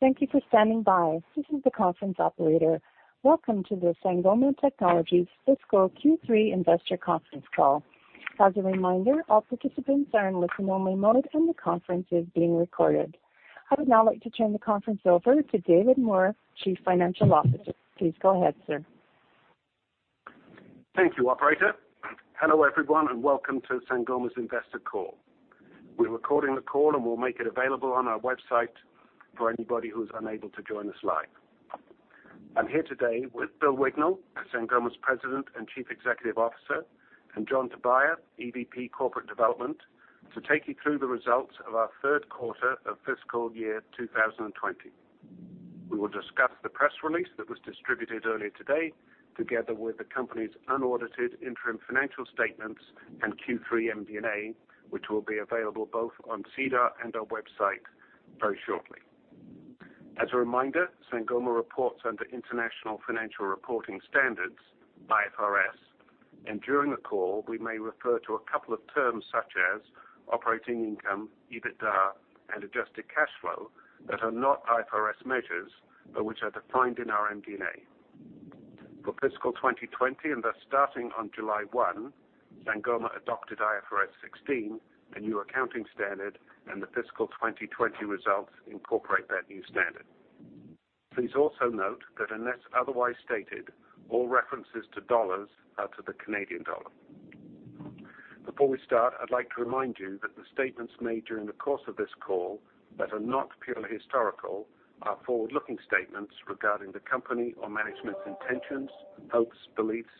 Thank you for standing by. This is the conference operator. Welcome to the Sangoma Technologies Fiscal Q3 Investor Conference Call. As a reminder, all participants are in listen-only mode, and the conference is being recorded. I would now like to turn the conference over to David Moore, Chief Financial Officer. Please go ahead, sir. Thank you, operator. Hello, everyone, welcome to Sangoma's Investor Call. We're recording the call, and we'll make it available on our website for anybody who's unable to join us live. I'm here today with Bill Wignall, Sangoma's President and Chief Executive Officer, and John Tobia, EVP Corporate Development, to take you through the results of our Q3 of fiscal year 2020. We will discuss the press release that was distributed earlier today, together with the company's unaudited interim financial statements and Q3 MD&A, which will be available both on SEDAR and our website very shortly. As a reminder, Sangoma reports under International Financial Reporting Standards, IFRS, and during the call, we may refer to a couple of terms such as operating income, EBITDA, and adjusted cash flow that are not IFRS measures, but which are defined in our MD&A. For fiscal 2020, thus starting on July 1, Sangoma adopted IFRS 16, a new accounting standard, and the fiscal 2020 results incorporate that new standard. Please also note that unless otherwise stated, all references to dollars are to the Canadian dollar. Before we start, I'd like to remind you that the statements made during the course of this call that are not purely historical are forward-looking statements regarding the company or management's intentions, hopes, beliefs,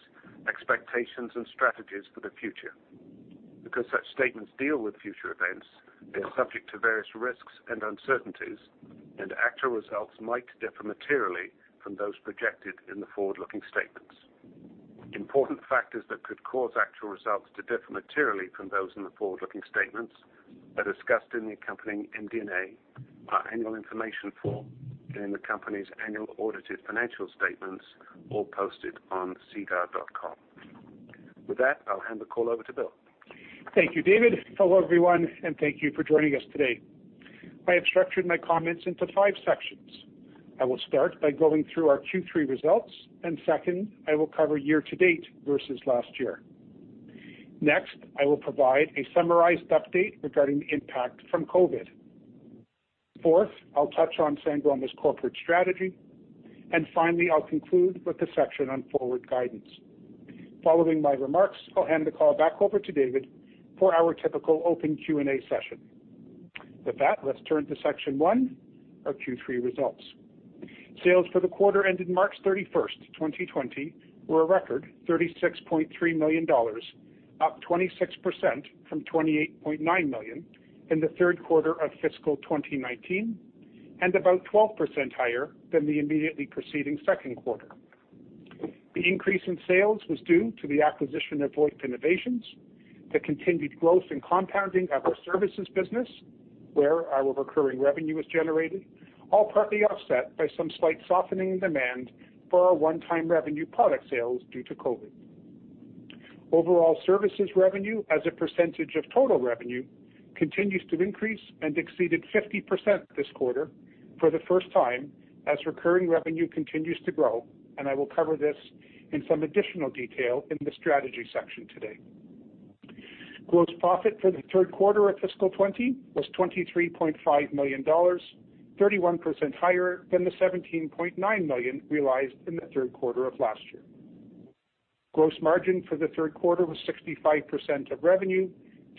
expectations, and strategies for the future. Such statements deal with future events, they are subject to various risks and uncertainties, and actual results might differ materially from those projected in the forward-looking statements. Important factors that could cause actual results to differ materially from those in the forward-looking statements are discussed in the accompanying MD&A, our annual information form, and in the company's annual audited financial statements, all posted on sedar.com. With that, I'll hand the call over to Bill. Thank you, David. Hello, everyone, and thank you for joining us today. I have structured my comments into five sections. I will start by going through our Q3 results, and second, I will cover year-to-date versus last year. I will provide a summarized update regarding the impact from COVID-19. Fourth, I'll touch on Sangoma's corporate strategy. Finally, I'll conclude with the section on forward guidance. Following my remarks, I'll hand the call back over to David for our typical open Q&A session. With that, let's turn to section one, our Q3 results. Sales for the quarter ended March 31st, 2020, were a record 36.3 million dollars, up 26% from 28.9 million in the Q3 of fiscal 2019, and about 12% higher than the immediately preceding Q2. The increase in sales was due to the acquisition of VoIP Innovations, the continued growth and compounding of our services business, where our recurring revenue is generated, all partly offset by some slight softening in demand for our one-time revenue product sales due to COVID. Overall services revenue as a percentage of total revenue continues to increase and exceeded 50% this quarter for the first time as recurring revenue continues to grow, and I will cover this in some additional detail in the strategy section today. Gross profit for the Q3 of fiscal 2020 was 23.5 million dollars, 31% higher than the 17.9 million realized in the Q3 of last year. Gross margin for the Q3 was 65% of revenue,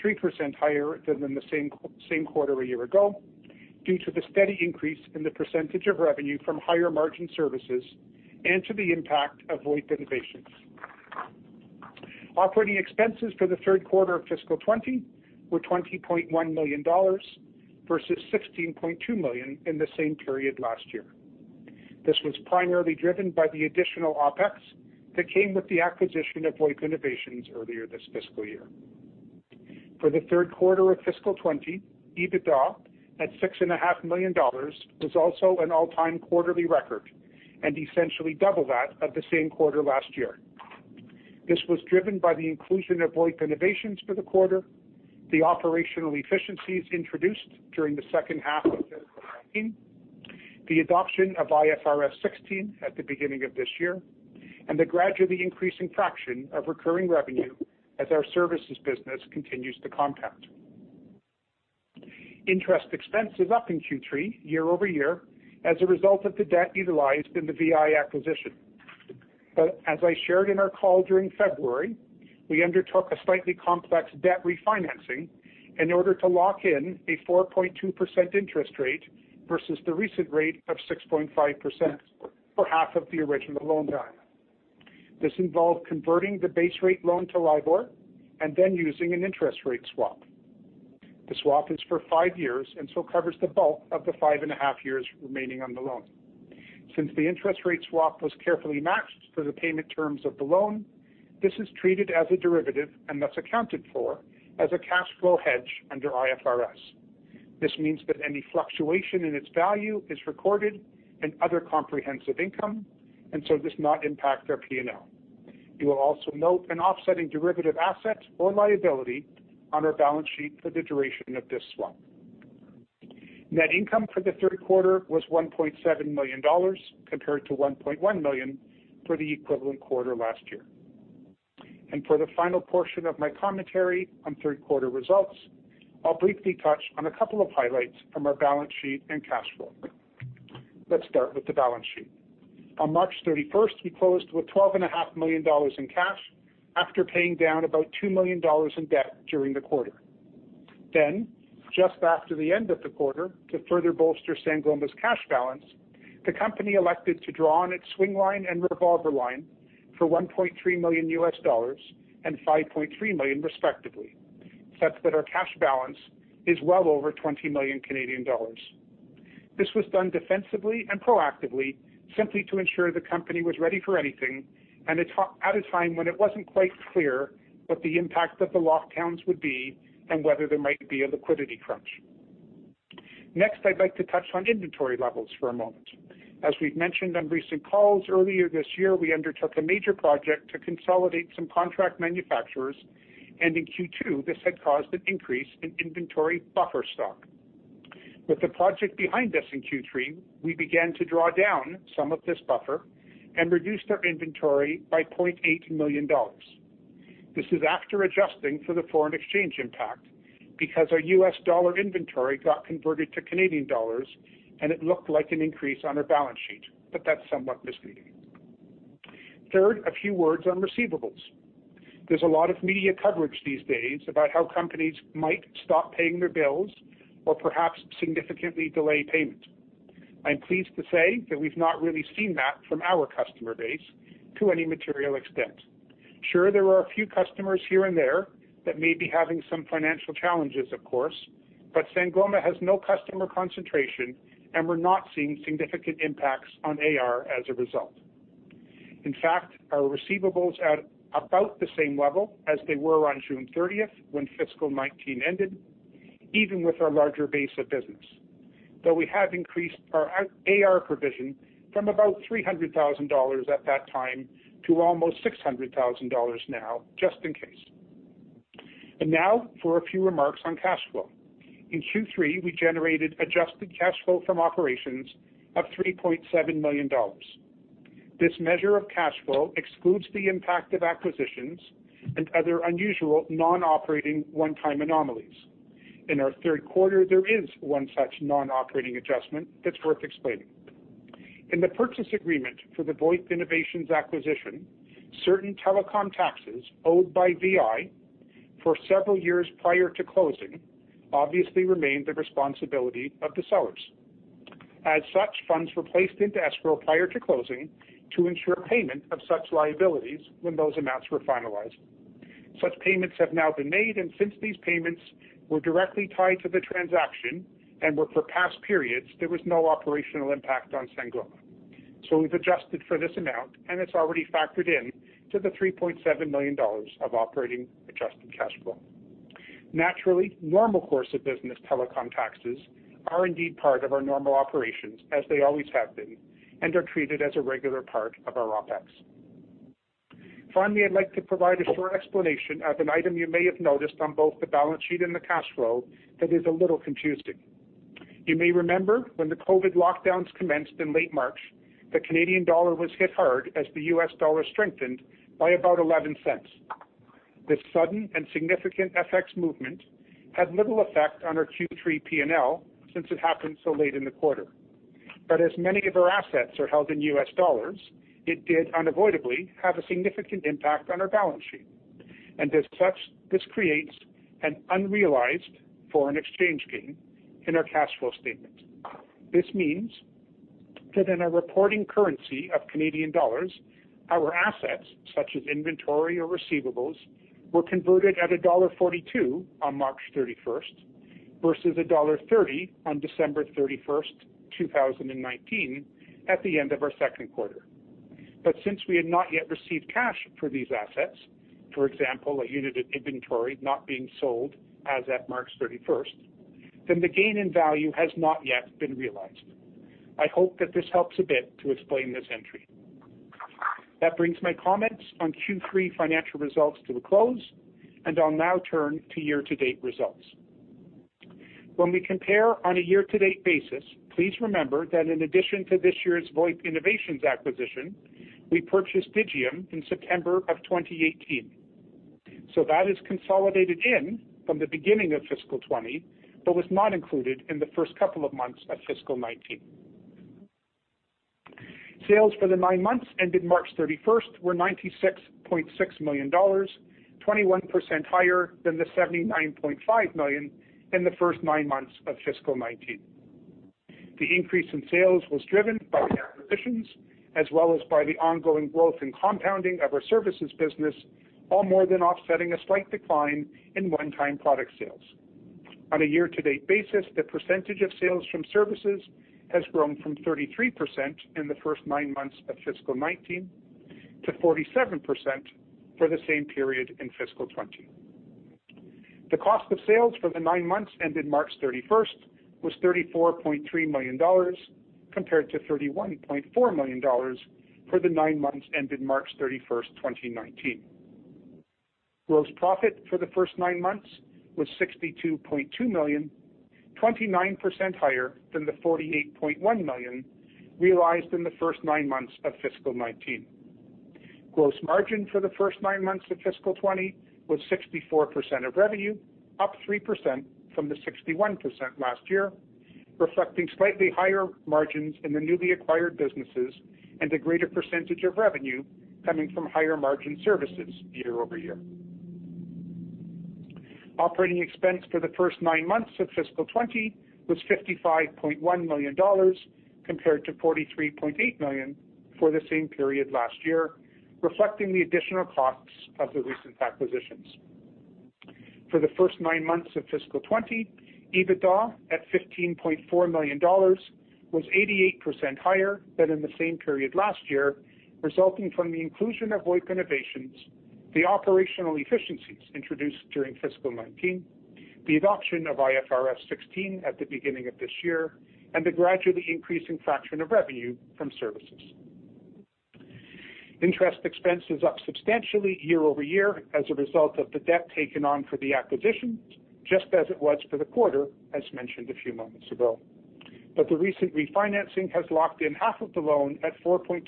3% higher than the same quarter a year ago, due to the steady increase in the percentage of revenue from higher margin services and to the impact of VoIP Innovations. Operating expenses for the Q3 of fiscal 2020 were 20.1 million dollars versus 16.2 million in the same period last year. This was primarily driven by the additional OPEX that came with the acquisition of VoIP Innovations earlier this fiscal year. For the Q3 of fiscal 2020, EBITDA at 6.5 million dollars was also an all-time quarterly record and essentially double that of the same quarter last year. This was driven by the inclusion of VoIP Innovations for the quarter, the operational efficiencies introduced during the H2 of 2019, the adoption of IFRS 16 at the beginning of this year, and the gradually increasing fraction of recurring revenue as our services business continues to compound. Interest expense is up in Q3 year-over-year as a result of the debt utilized in the VI acquisition. As I shared in our call during February, we undertook a slightly complex debt refinancing in order to lock in a 4.2% interest rate versus the recent rate of 6.5% for half of the original loan time. This involved converting the base rate loan to LIBOR and then using an interest rate swap. The swap is for five years and so covers the bulk of the five and a half years remaining on the loan. Since the interest rate swap was carefully matched for the payment terms of the loan, this is treated as a derivative and thus accounted for as a cash flow hedge under IFRS. This means that any fluctuation in its value is recorded in other comprehensive income does not impact our P&L. You will also note an offsetting derivative asset or liability on our balance sheet for the duration of this swap. Net income for the Q3 was 1.7 million dollars, compared to 1.1 million for the equivalent quarter last year. For the final portion of my commentary on Q3 results, I'll briefly touch on a couple of highlights from our balance sheet and cash flow. Let's start with the balance sheet. On March 31st, we closed with 12.5 million dollars in cash after paying down about 2 million dollars in debt during the quarter. Just after the end of the quarter, to further bolster Sangoma's cash balance, the company elected to draw on its swingline and revolver line for $1.3 million and CAD 5.3 million respectively, such that our cash balance is well over 20 million Canadian dollars. This was done defensively and proactively, simply to ensure the company was ready for anything, and at a time when it wasn't quite clear what the impact of the lockdowns would be and whether there might be a liquidity crunch. Next, I'd like to touch on inventory levels for a moment. As we've mentioned on recent calls, earlier this year we undertook a major project to consolidate some contract manufacturers, and in Q2 this had caused an increase in inventory buffer stock. With the project behind us in Q3, we began to draw down some of this buffer and reduced our inventory by 0.8 million dollars. This is after adjusting for the foreign exchange impact, because our U.S. dollar inventory got converted to Canadian dollar and it looked like an increase on our balance sheet. That's somewhat misleading. Third, a few words on receivables. There's a lot of media coverage these days about how companies might stop paying their bills or perhaps significantly delay payment. I'm pleased to say that we've not really seen that from our customer base to any material extent. Sure, there are a few customers here and there that may be having some financial challenges, of course, Sangoma has no customer concentration and we're not seeing significant impacts on AR as a result. In fact, our receivables are at about the same level as they were on June 30th when fiscal 2019 ended, even with our larger base of business. Though we have increased our AR provision from about 300,000 dollars at that time to almost 600,000 dollars now, just in case. Now for a few remarks on cash flow. In Q3, we generated adjusted cash flow from operations of 3.7 million dollars. This measure of cash flow excludes the impact of acquisitions and other unusual non-operating one-time anomalies. In our Q3, there is one such non-operating adjustment that's worth explaining. In the purchase agreement for the VoIP Innovations acquisition, certain telecom taxes owed by VI for several years prior to closing obviously remained the responsibility of the sellers. As such, funds were placed into escrow prior to closing to ensure payment of such liabilities when those amounts were finalized. Such payments have now been made, and since these payments were directly tied to the transaction and were for past periods, there was no operational impact on Sangoma. We've adjusted for this amount, and it's already factored in to the 3.7 million dollars of operating adjusted cash flow. Naturally, normal course of business telecom taxes are indeed part of our normal operations as they always have been and are treated as a regular part of our OPEX. Finally, I'd like to provide a short explanation of an item you may have noticed on both the balance sheet and the cash flow that is a little confusing. You may remember when the COVID-19 lockdowns commenced in late March, the Canadian dollar was hit hard as the U.S. dollar strengthened by about $0.11. This sudden and significant FX movement had little effect on our Q3 P&L, since it happened so late in the quarter. As many of our assets are held in U.S. dollars, it did unavoidably have a significant impact on our balance sheet. As such, this creates an unrealized foreign exchange gain in our cash flow statement. This means that in our reporting currency of Canadian dollars, our assets, such as inventory or receivables, were converted at dollar 1.42 on March 31st versus dollar 1.30 on December 31st, 2019, at the end of our Q2. Since we had not yet received cash for these assets, for example, a unit of inventory not being sold as at March 31st, then the gain in value has not yet been realized. I hope that this helps a bit to explain this entry. That brings my comments on Q3 financial results to a close, and I'll now turn to year-to-date results. We compare on a year-to-date basis, please remember that in addition to this year's VoIP Innovations acquisition, we purchased Digium in September of 2018. That is consolidated in from the beginning of fiscal 2020, but was not included in the first couple of months of fiscal 2019. Sales for the nine months ended March 31st were 96.6 million dollars, 21% higher than the 79.5 million in the first nine months of fiscal 2019. The increase in sales was driven by the acquisitions as well as by the ongoing growth and compounding of our services business, all more than offsetting a slight decline in one-time product sales. On a year-to-date basis, the percentage of sales from services has grown from 33% in the first nine months of fiscal 2019 to 47% for the same period in fiscal 2020. The cost of sales for the nine months ended March 31st was 34.3 million dollars, compared to 31.4 million dollars for the nine months ended March 31st, 2019. Gross profit for the first nine months was 62.2 million, 29% higher than the 48.1 million realized in the first nine months of fiscal 2019. Gross margin for the first nine months of fiscal 2020 was 64% of revenue, up 3% from the 61% last year, reflecting slightly higher margins in the newly acquired businesses and a greater percentage of revenue coming from higher margin services year-over-year. Operating Expense for the first nine months of fiscal 2020 was 55.1 million dollars, compared to 43.8 million for the same period last year, reflecting the additional costs of the recent acquisitions. For the first nine months of fiscal 2020, EBITDA at 15.4 million dollars was 88% higher than in the same period last year, resulting from the inclusion of VoIP Innovations, the operational efficiencies introduced during fiscal 2019, the adoption of IFRS 16 at the beginning of this year, and the gradually increasing fraction of revenue from services. Interest expense is up substantially year-over-year as a result of the debt taken on for the acquisitions, just as it was for the quarter, as mentioned a few moments ago. The recent refinancing has locked in half of the loan at 4.2%,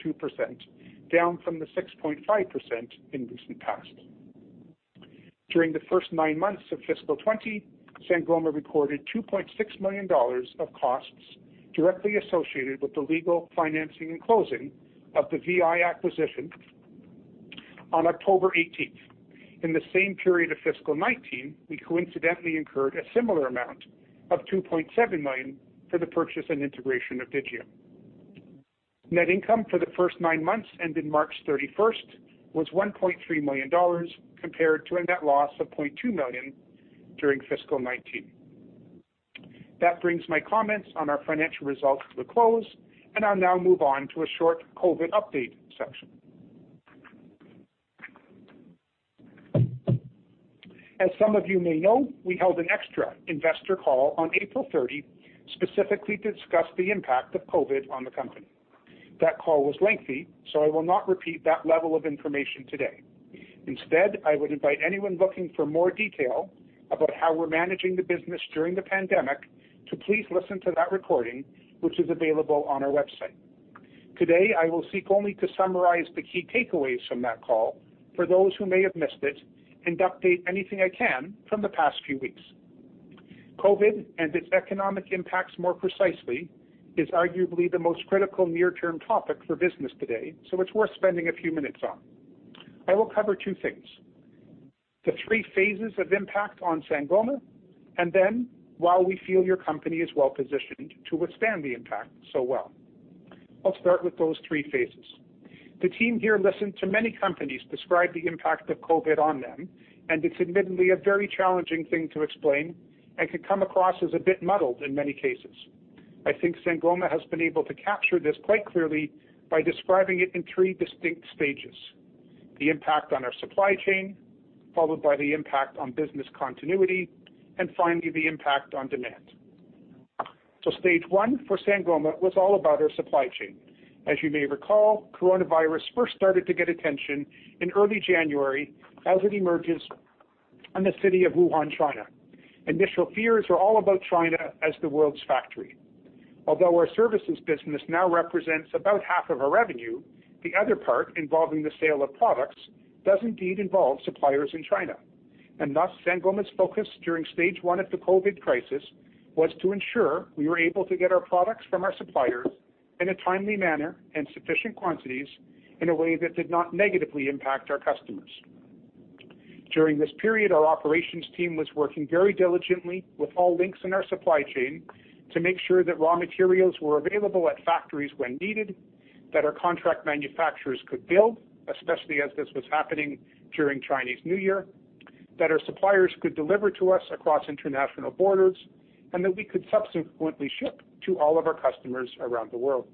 down from the 6.5% in recent past. During the first nine months of fiscal 2020, Sangoma recorded 2.6 million dollars of costs directly associated with the legal financing and closing of the VI acquisition on October 18th. In the same period of fiscal 2019, we coincidentally incurred a similar amount of 2.7 million for the purchase and integration of Digium. Net income for the first nine months ended March 31st was 1.3 million dollars, compared to a net loss of 0.2 million during fiscal 2019. That brings my comments on our financial results to a close, and I'll now move on to a short COVID update section. As some of you may know, we held an extra investor call on April 30, specifically to discuss the impact of COVID on the company. That call was lengthy, so I will not repeat that level of information today. Instead, I would invite anyone looking for more detail about how we're managing the business during the pandemic to please listen to that recording, which is available on our website. Today, I will seek only to summarize the key takeaways from that call for those who may have missed it and update anything I can from the past few weeks. COVID, and its economic impacts more precisely, is arguably the most critical near-term topic for business today. It's worth spending a few minutes on. I will cover two things. The three phases of impact on Sangoma, why we feel your company is well-positioned to withstand the impact so well. I'll start with those three phases. The team here listened to many companies describe the impact of COVID on them. It's admittedly a very challenging thing to explain and can come across as a bit muddled in many cases. I think Sangoma has been able to capture this quite clearly by describing it in three distinct stages. The impact on our supply chain, followed by the impact on business continuity, and finally, the impact on demand. Stage 1 for Sangoma was all about our supply chain. As you may recall, coronavirus first started to get attention in early January as it emerges in the city of Wuhan, China. Initial fears were all about China as the world's factory. Although our services business now represents about half of our revenue, the other part involving the sale of products does indeed involve suppliers in China. Thus, Sangoma's focus during stage 1 of the COVID crisis was to ensure we were able to get our products from our suppliers in a timely manner and sufficient quantities in a way that did not negatively impact our customers. During this period, our operations team was working very diligently with all links in our supply chain to make sure that raw materials were available at factories when needed, that our contract manufacturers could build, especially as this was happening during Chinese New Year, that our suppliers could deliver to us across international borders, and that we could subsequently ship to all of our customers around the world.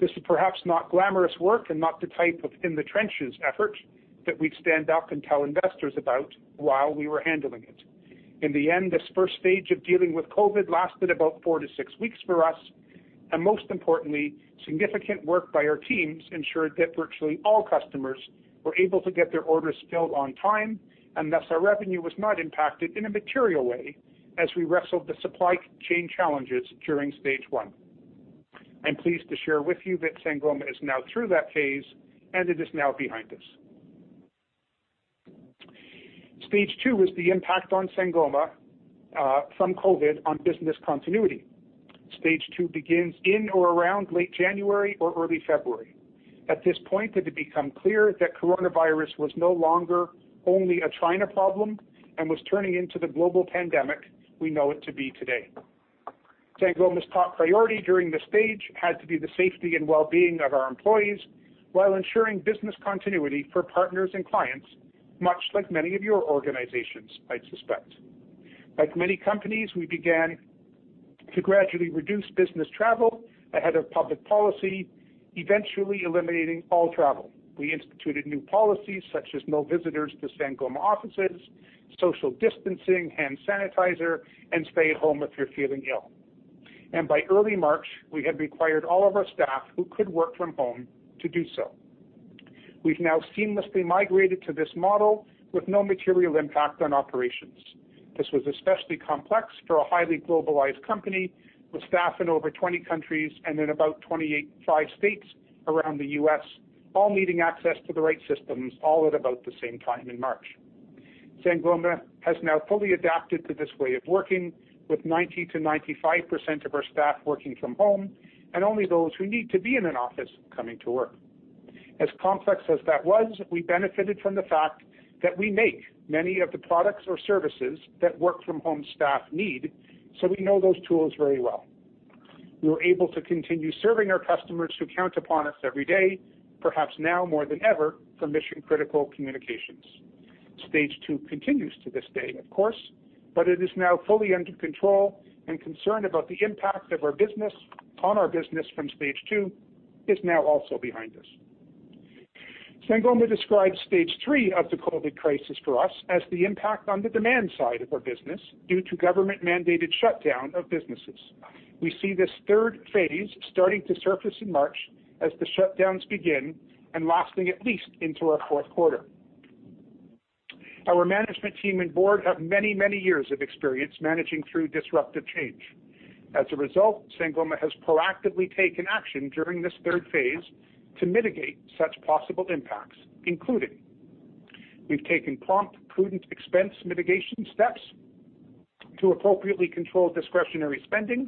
This is perhaps not glamorous work and not the type of in-the-trenches effort that we'd stand up and tell investors about while we were handling it. In the end, this first stage of dealing with COVID lasted about four to six weeks for us, and most importantly, significant work by our teams ensured that virtually all customers were able to get their orders filled on time, and thus our revenue was not impacted in a material way as we wrestled the supply chain challenges during stage 1. I'm pleased to share with you that Sangoma is now through that phase, and it is now behind us. Stage 2 is the impact on Sangoma, from COVID on business continuity. Stage 2 begins in or around late January or early February. At this point, it had become clear that coronavirus was no longer only a China problem and was turning into the global pandemic we know it to be today. Sangoma's top priority during this stage had to be the safety and well-being of our employees while ensuring business continuity for partners and clients, much like many of your organizations, I'd suspect. Like many companies, we began to gradually reduce business travel ahead of public policy, eventually eliminating all travel. We instituted new policies such as no visitors to Sangoma offices, social distancing, hand sanitizer, and stay at home if you're feeling ill. By early March, we had required all of our staff who could work from home to do so. We've now seamlessly migrated to this model with no material impact on operations. This was especially complex for a highly globalized company with staff in over 20 countries and in about 25 states around the U.S., all needing access to the right systems, all at about the same time in March. Sangoma has now fully adapted to this way of working, with 90%-95% of our staff working from home, and only those who need to be in an office coming to work. As complex as that was, we benefited from the fact that we make many of the products or services that work from home staff need, so we know those tools very well. We were able to continue serving our customers who count upon us every day, perhaps now more than ever, for mission-critical communications. Stage 2 continues to this day, of course, but it is now fully under control, and concern about the impact of our business on our business from stage 2 is now also behind us. Sangoma describes stage 3 of the COVID crisis for us as the impact on the demand side of our business due to government-mandated shutdown of businesses. We see this third phase starting to surface in March as the shutdowns begin and lasting at least into our Q4. Our management team and board have many years of experience managing through disruptive change. As a result, Sangoma has proactively taken action during this third phase to mitigate such possible impacts, including we've taken prompt, prudent expense mitigation steps to appropriately control discretionary spending,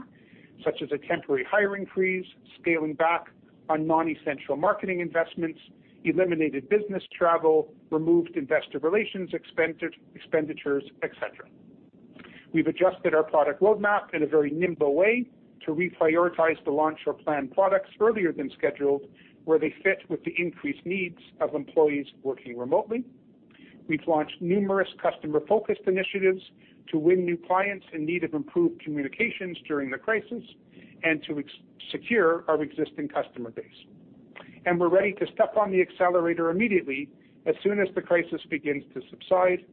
such as a temporary hiring freeze, scaling back on non-essential marketing investments, eliminated business travel, removed investor relations expenditures, et cetera. We've adjusted our product roadmap in a very nimble way to reprioritize the launch or plan products earlier than scheduled, where they fit with the increased needs of employees working remotely. We've launched numerous customer-focused initiatives to win new clients in need of improved communications during the crisis and to secure our existing customer base. We're ready to step on the accelerator immediately as soon as the crisis begins to subside,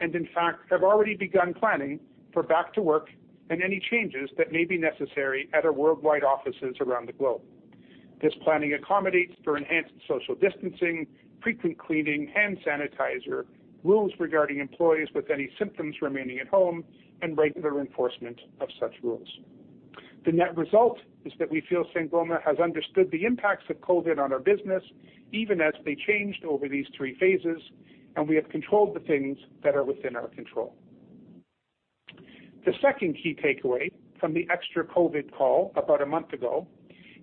and in fact, have already begun planning for back to work and any changes that may be necessary at our worldwide offices around the globe. This planning accommodates for enhanced social distancing, frequent cleaning, hand sanitizer, rules regarding employees with any symptoms remaining at home, and regular enforcement of such rules. The net result is that we feel Sangoma has understood the impacts of COVID on our business, even as they changed over these three phases, and we have controlled the things that are within our control. The second key takeaway from the extra COVID call about a month ago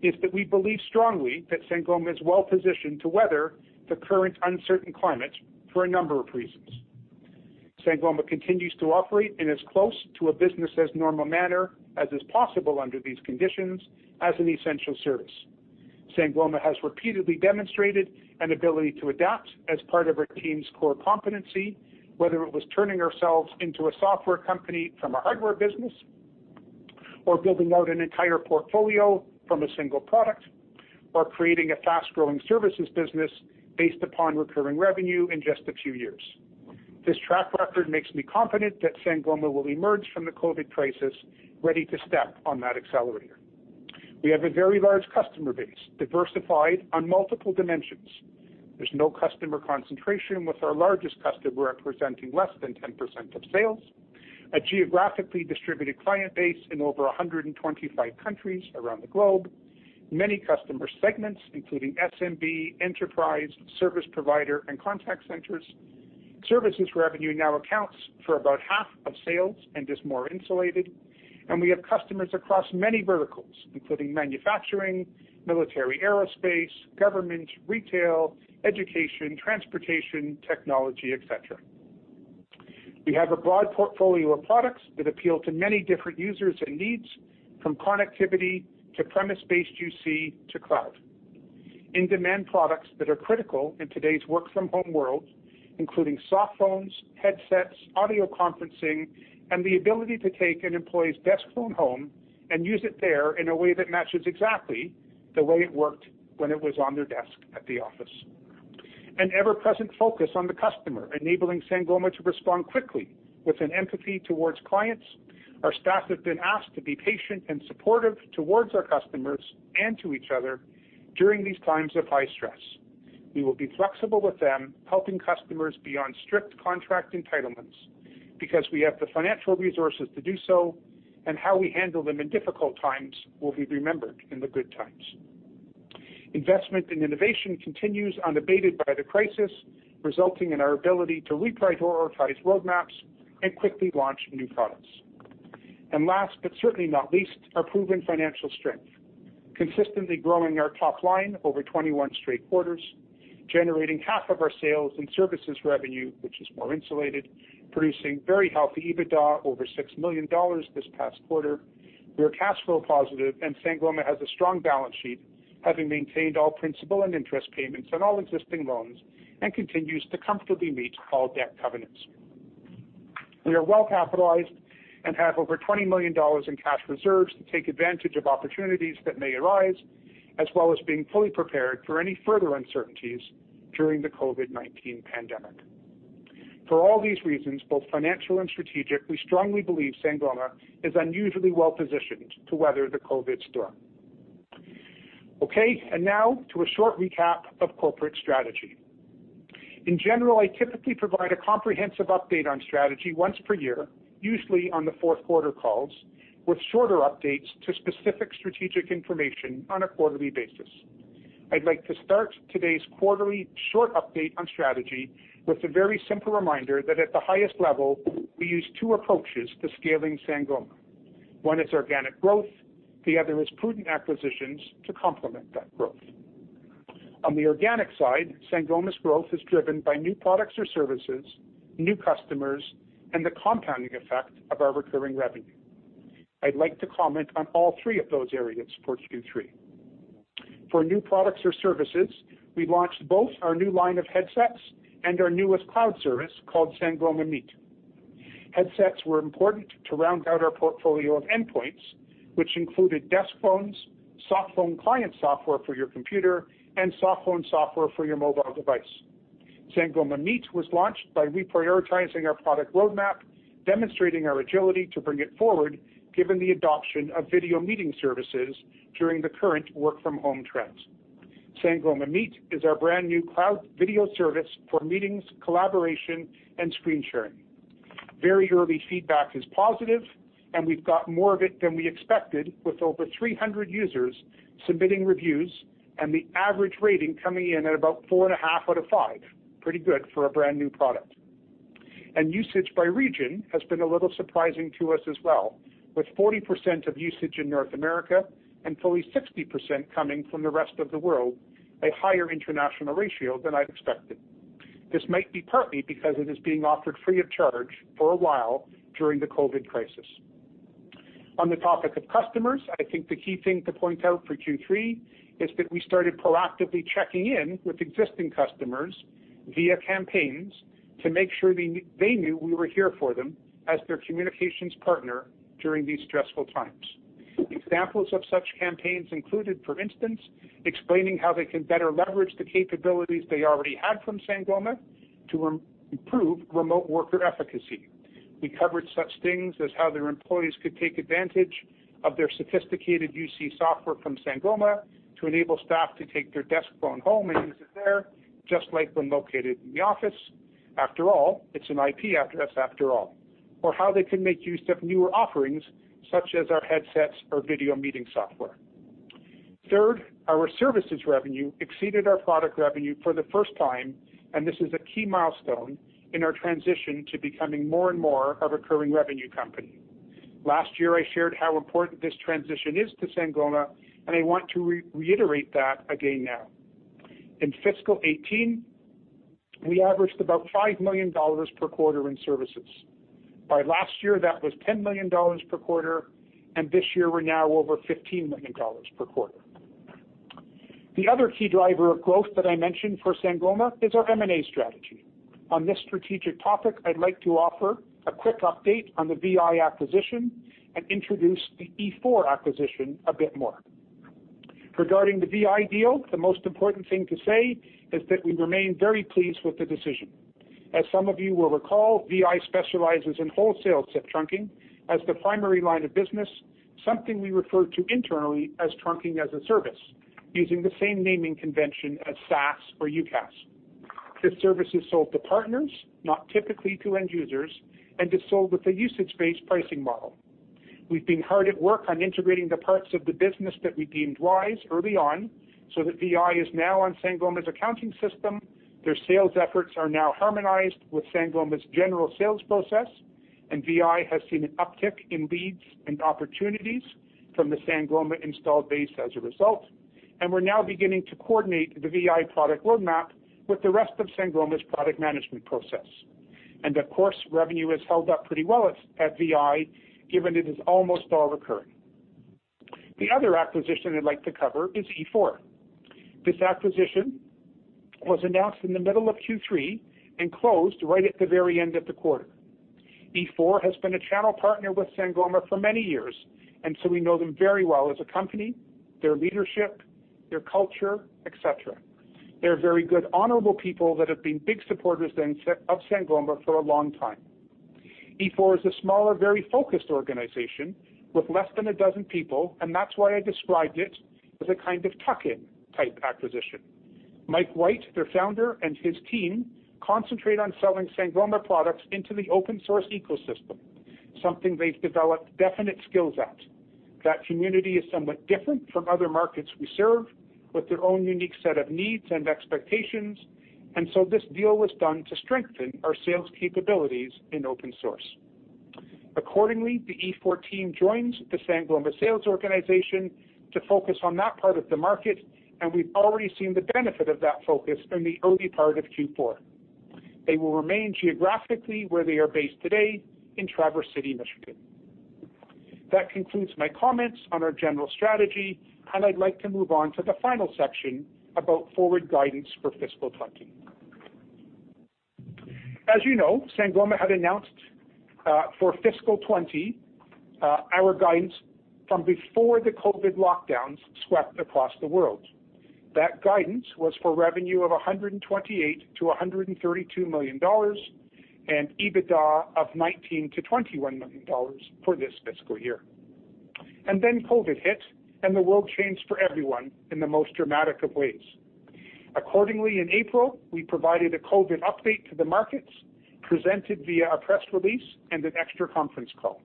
is that we believe strongly that Sangoma is well positioned to weather the current uncertain climate for a number of reasons. Sangoma continues to operate in as close to a business as normal manner as is possible under these conditions as an essential service. Sangoma has repeatedly demonstrated an ability to adapt as part of our team's core competency, whether it was turning ourselves into a software company from a hardware business, or building out an entire portfolio from a single product, or creating a fast-growing services business based upon recurring revenue in just a few years. This track record makes me confident that Sangoma will emerge from the COVID-19 crisis ready to step on that accelerator. We have a very large customer base, diversified on multiple dimensions. There's no customer concentration, with our largest customer representing less than 10% of sales, a geographically distributed client base in over 125 countries around the globe, many customer segments, including SMB, enterprise, service provider, and contact centers. Services revenue now accounts for about half of sales and is more insulated. We have customers across many verticals, including manufacturing, military, aerospace, government, retail, education, transportation, technology, et cetera. We have a broad portfolio of products that appeal to many different users and needs, from connectivity to premise-based UC to cloud. In-demand products that are critical in today's work from home world, including softphones, headsets, audio conferencing, and the ability to take an employee's desk phone home and use it there in a way that matches exactly the way it worked when it was on their desk at the office. An ever-present focus on the customer, enabling Sangoma to respond quickly with an empathy towards clients. Our staff have been asked to be patient and supportive towards our customers and to each other during these times of high stress. We will be flexible with them, helping customers beyond strict contract entitlements because we have the financial resources to do so, and how we handle them in difficult times will be remembered in the good times. Investment in innovation continues unabated by the crisis, resulting in our ability to reprioritize roadmaps and quickly launch new products. Last but certainly not least, our proven financial strength. Consistently growing our top line over 21 straight quarters, generating half of our sales and services revenue, which is more insulated, producing very healthy EBITDA over 6 million dollars this past quarter. We are cash flow positive and Sangoma has a strong balance sheet, having maintained all principal and interest payments on all existing loans, and continues to comfortably meet all debt covenants. We are well-capitalized and have over $20 million in cash reserves to take advantage of opportunities that may arise, as well as being fully prepared for any further uncertainties during the COVID-19 pandemic. For all these reasons, both financial and strategic, we strongly believe Sangoma is unusually well-positioned to weather the COVID storm. Now to a short recap of corporate strategy. In general, I typically provide a comprehensive update on strategy once per year, usually on the Q4 calls, with shorter updates to specific strategic information on a quarterly basis. I'd like to start today's quarterly short update on strategy with a very simple reminder that at the highest level, we use two approaches to scaling Sangoma. One is organic growth, the other is prudent acquisitions to complement that growth. On the organic side, Sangoma's growth is driven by new products or services, new customers, and the compounding effect of our recurring revenue. I'd like to comment on all three of those areas for Q3. For new products or services, we launched both our new line of headsets and our newest cloud service called Sangoma Meet. Headsets were important to round out our portfolio of endpoints, which included desk phones, soft phone client software for your computer, and softphone software for your mobile device. Sangoma Meet was launched by reprioritizing our product roadmap, demonstrating our agility to bring it forward given the adoption of video meeting services during the current work-from-home trends. Sangoma Meet is our brand-new cloud video service for meetings, collaboration, and screen sharing. Very early feedback is positive, and we've got more of it than we expected, with over 300 users submitting reviews and the average rating coming in at about 4.5 out of five. Pretty good for a brand-new product. Usage by region has been a little surprising to us as well, with 40% of usage in North America and fully 60% coming from the rest of the world, a higher international ratio than I'd expected. This might be partly because it is being offered free of charge for a while during the COVID-19 crisis. On the topic of customers, I think the key thing to point out for Q3 is that we started proactively checking in with existing customers via campaigns to make sure they knew we were here for them as their communications partner during these stressful times. Examples of such campaigns included, for instance, explaining how they can better leverage the capabilities they already had from Sangoma to improve remote worker efficacy. We covered such things as how their employees could take advantage of their sophisticated UC software from Sangoma to enable staff to take their desk phone home and use it there, just like when located in the office. After all, it's an IP address after all. Or how they can make use of newer offerings such as our headsets or video meeting software. Third, our services revenue exceeded our product revenue for the first time, and this is a key milestone in our transition to becoming more and more a recurring revenue company. Last year, I shared how important this transition is to Sangoma, and I want to reiterate that again now. In fiscal 2018, we averaged about 5 million dollars per quarter in services. By last year, that was 10 million dollars per quarter, and this year we're now over 15 million dollars per quarter. The other key driver of growth that I mentioned for Sangoma is our M&A strategy. On this strategic topic, I'd like to offer a quick update on the VI acquisition and introduce the .e4 acquisition a bit more. Regarding the VI deal, the most important thing to say is that we remain very pleased with the decision. As some of you will recall, VI specializes in wholesale SIP trunking as the primary line of business, something we refer to internally as Trunking-as-a-Service, using the same naming convention as SaaS or UCaaS. This service is sold to partners, not typically to end users, and is sold with a usage-based pricing model. We've been hard at work on integrating the parts of the business that we deemed wise early on, so that VI is now on Sangoma's accounting system. Their sales efforts are now harmonized with Sangoma's general sales process. VI has seen an uptick in leads and opportunities from the Sangoma installed base as a result. We're now beginning to coordinate the VI product roadmap with the rest of Sangoma's product management process. Of course, revenue has held up pretty well at VI, given it is almost all recurring. The other acquisition I'd like to cover is .e4. This acquisition was announced in the middle of Q3 and closed right at the very end of the quarter. .e4 has been a channel partner with Sangoma for many years. We know them very well as a company, their leadership, their culture, et cetera. They're very good, honorable people that have been big supporters of Sangoma for a long time. .e4 is a smaller, very focused organization with less than 12 people, and that's why I described it as a kind of tuck-in type acquisition. Mike White, their founder, and his team concentrate on selling Sangoma products into the open-source ecosystem, something they've developed definite skills at. That community is somewhat different from other markets we serve, with their own unique set of needs and expectations. This deal was done to strengthen our sales capabilities in open source. Accordingly, the .e4 team joins the Sangoma sales organization to focus on that part of the market, and we've already seen the benefit of that focus in the early part of Q4. They will remain geographically where they are based today in Traverse City, Michigan. That concludes my comments on our general strategy, and I'd like to move on to the final section about forward guidance for fiscal 2020. As you know, Sangoma had announced for fiscal 2020, our guidance from before the COVID lockdowns swept across the world. That guidance was for revenue of 128 million-132 million dollars, and EBITDA of 19 million-21 million dollars for this fiscal year. COVID hit, and the world changed for everyone in the most dramatic of ways. Accordingly, in April, we provided a COVID update to the markets, presented via a press release and an extra conference call.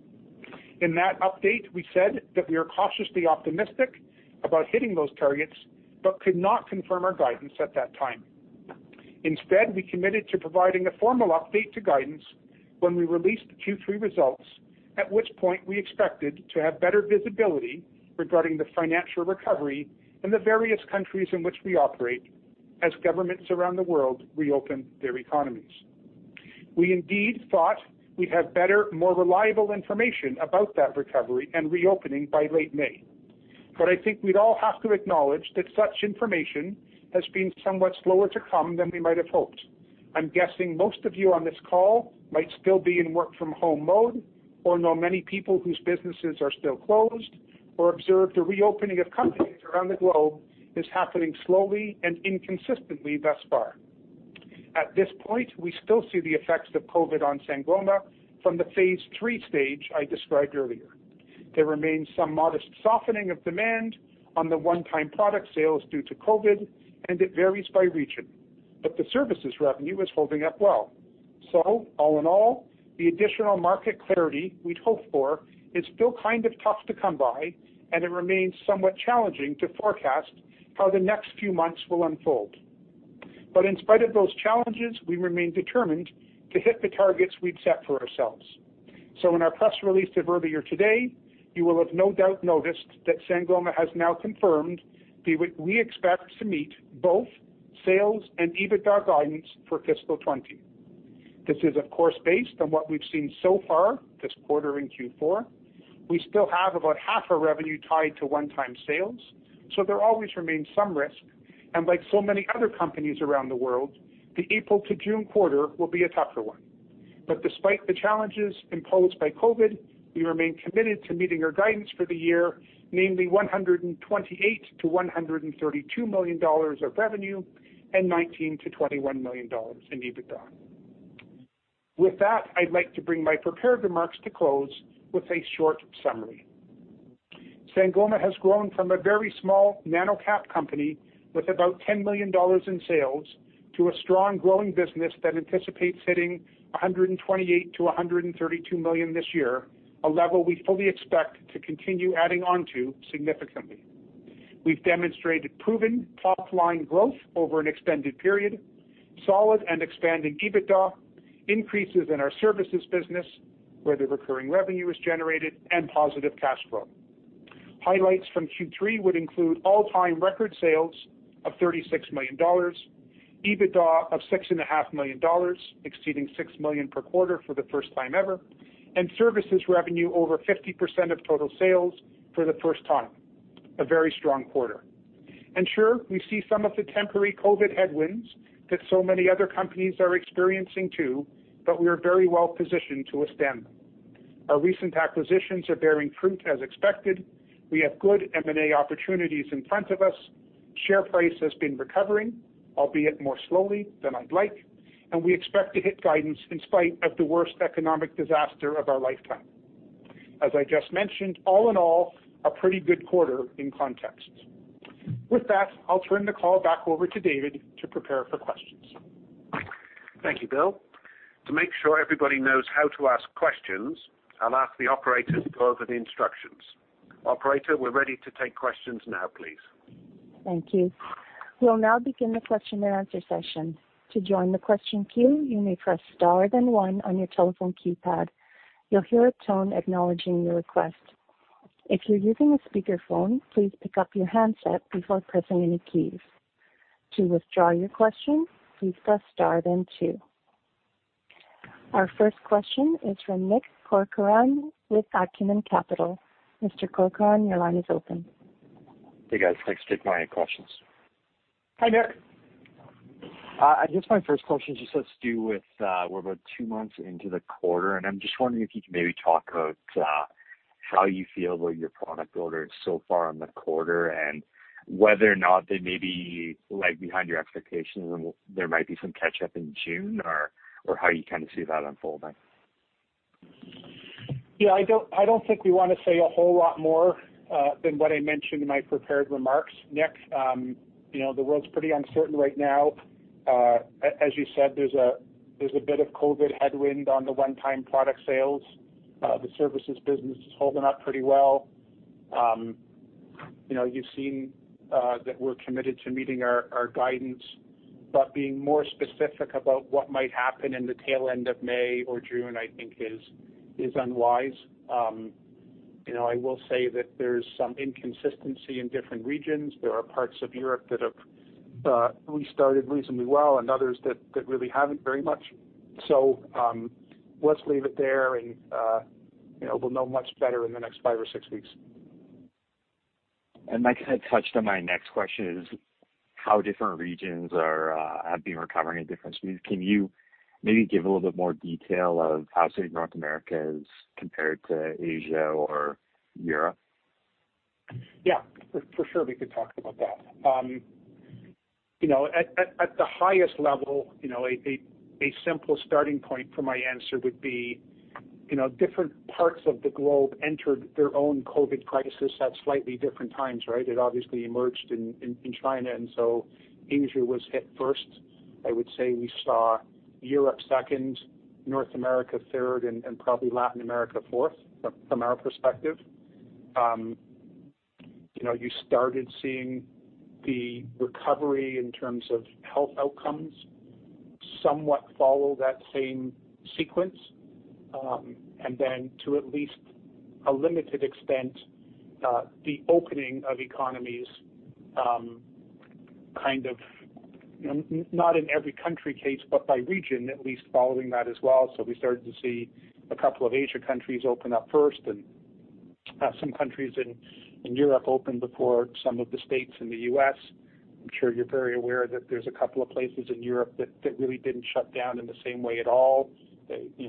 In that update, we said that we are cautiously optimistic about hitting those targets but could not confirm our guidance at that time. Instead, we committed to providing a formal update to guidance when we released the Q3 results, at which point we expected to have better visibility regarding the financial recovery in the various countries in which we operate, as governments around the world reopen their economies. We indeed thought we'd have better, more reliable information about that recovery and reopening by late May. I think we'd all have to acknowledge that such information has been somewhat slower to come than we might have hoped. I'm guessing most of you on this call might still be in work from home mode or know many people whose businesses are still closed or observed a reopening of companies around the globe is happening slowly and inconsistently thus far. At this point, we still see the effects of COVID-19 on Sangoma from the phase 3 stage I described earlier. There remains some modest softening of demand on the one-time product sales due to COVID, and it varies by region. The services revenue is holding up well. All in all, the additional market clarity we'd hope for is still kind of tough to come by, and it remains somewhat challenging to forecast how the next few months will unfold. In spite of those challenges, we remain determined to hit the targets we've set for ourselves. In our press release of earlier today, you will have no doubt noticed that Sangoma has now confirmed we expect to meet both sales and EBITDA guidance for fiscal 2020. This is, of course, based on what we've seen so far this quarter in Q4. We still have about half our revenue tied to one-time sales, so there always remains some risk, and like so many other companies around the world, the April to June quarter will be a tougher one. Despite the challenges imposed by COVID, we remain committed to meeting our guidance for the year, namely 128 million-132 million dollars of revenue and 19 million-21 million dollars in EBITDA. With that, I'd like to bring my prepared remarks to close with a short summary. Sangoma has grown from a very small nano-cap company with about 10 million dollars in sales to a strong, growing business that anticipates hitting 128 million-132 million this year, a level we fully expect to continue adding on to significantly. We've demonstrated proven top-line growth over an extended period, solid and expanding EBITDA, increases in our services business, where the recurring revenue is generated, and positive cash flow. Highlights from Q3 would include all-time record sales of 36 million dollars, EBITDA of 6.5 million dollars, exceeding 6 million per quarter for the first time ever, and services revenue over 50% of total sales for the first time. A very strong quarter. Sure, we see some of the temporary COVID-19 headwinds that so many other companies are experiencing too, but we are very well positioned to withstand them. Our recent acquisitions are bearing fruit as expected. We have good M&A opportunities in front of us. Share price has been recovering, albeit more slowly than I'd like, and we expect to hit guidance in spite of the worst economic disaster of our lifetime. As I just mentioned, all in all, a pretty good quarter in context. With that, I'll turn the call back over to David to prepare for questions. Thank you, Bill. To make sure everybody knows how to ask questions, I'll ask the Operator to go over the instructions. Operator, we're ready to take questions now, please. Thank you. We'll now begin the question and answer session. To join the question queue, you may press star then one on your telephone keypad. You'll hear a tone acknowledging your request. If you're using a speakerphone, please pick up your handset before pressing any keys. To withdraw your question, please press star then two. Our first question is from Nick Corcoran with Acumen Capital. Mr. Corcoran, your line is open. Hey, guys. Thanks, Dave. My questions. Hi, Nick. I guess my first question just has to do with, we're about two months into the quarter, and I'm just wondering if you could maybe talk about how you feel about your product orders so far in the quarter and whether or not they may be lag behind your expectations and there might be some catch-up in June or how you kind of see that unfolding? Yeah, I don't think we want to say a whole lot more than what I mentioned in my prepared remarks, Nick. The world's pretty uncertain right now. As you said, there's a bit of COVID headwind on the one-time product sales. The services business is holding up pretty well. You've seen that we're committed to meeting our guidance. Being more specific about what might happen in the tail end of May or June, I think is unwise. I will say that there's some inconsistency in different regions. There are parts of Europe that have restarted reasonably well and others that really haven't very much. Let's leave it there, and we'll know much better in the next five or six weeks. I think that touched on my next question, is how different regions have been recovering at different speeds. Can you maybe give a little bit more detail of how, say, North America has compared to Asia or Europe? For sure we could talk about that. At the highest level, a simple starting point for my answer would be, different parts of the globe entered their own COVID crisis at slightly different times, right? It obviously emerged in China, Asia was hit first. I would say we saw Europe second, North America third, and probably Latin America fourth, from our perspective. You started seeing the recovery in terms of health outcomes somewhat follow that same sequence, then to at least a limited extent, the opening of economies kind of not in every country case, but by region at least following that as well. We started to see a couple of Asia countries open up first and some countries in Europe open before some of the states in the U.S. I'm sure you're very aware that there's a couple of places in Europe that really didn't shut down in the same way at all.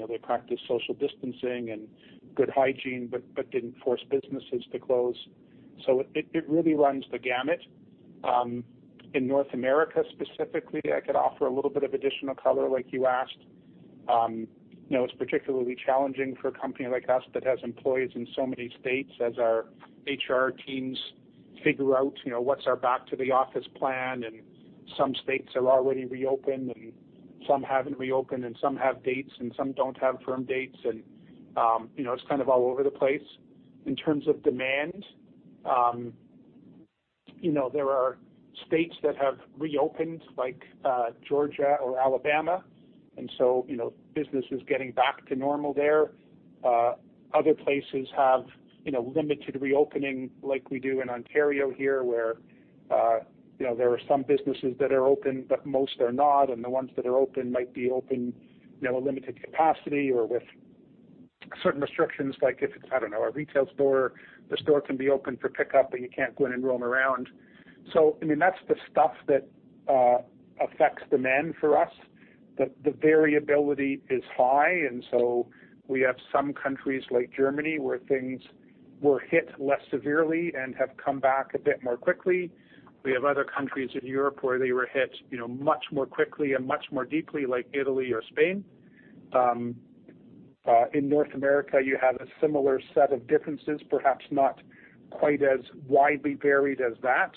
They practice social distancing and good hygiene, didn't force businesses to close. It really runs the gamut. In North America specifically, I could offer a little bit of additional color, like you asked. It's particularly challenging for a company like us that has employees in so many states as our HR teams figure out what's our back-to-the-office plan, and some states have already reopened, and some haven't reopened, and some have dates, and some don't have firm dates, and it's kind of all over the place. In terms of demand, there are states that have reopened, like Georgia or Alabama, business is getting back to normal there. Other places have limited reopening, like we do in Ontario here, where there are some businesses that are open, but most are not, and the ones that are open might be open at a limited capacity or with certain restrictions, like if it's, I don't know, a retail store, the store can be open for pickup, but you can't go in and roam around. That's the stuff that affects demand for us. The variability is high, and so we have some countries like Germany where things were hit less severely and have come back a bit more quickly. We have other countries in Europe where they were hit much more quickly and much more deeply, like Italy or Spain. In North America, you have a similar set of differences, perhaps not quite as widely varied as that,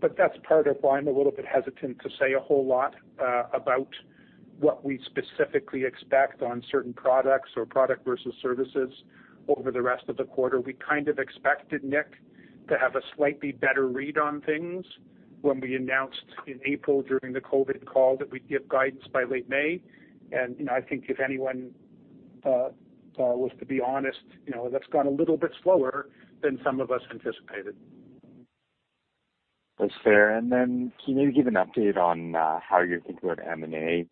but that's part of why I'm a little bit hesitant to say a whole lot about what we specifically expect on certain products or product versus services over the rest of the quarter. We kind of expected, Nick, to have a slightly better read on things when we announced in April during the COVID call that we'd give guidance by late May. I think if anyone was to be honest, that's gone a little bit slower than some of us anticipated. That's fair. Then can you give an update on how you're thinking about M&A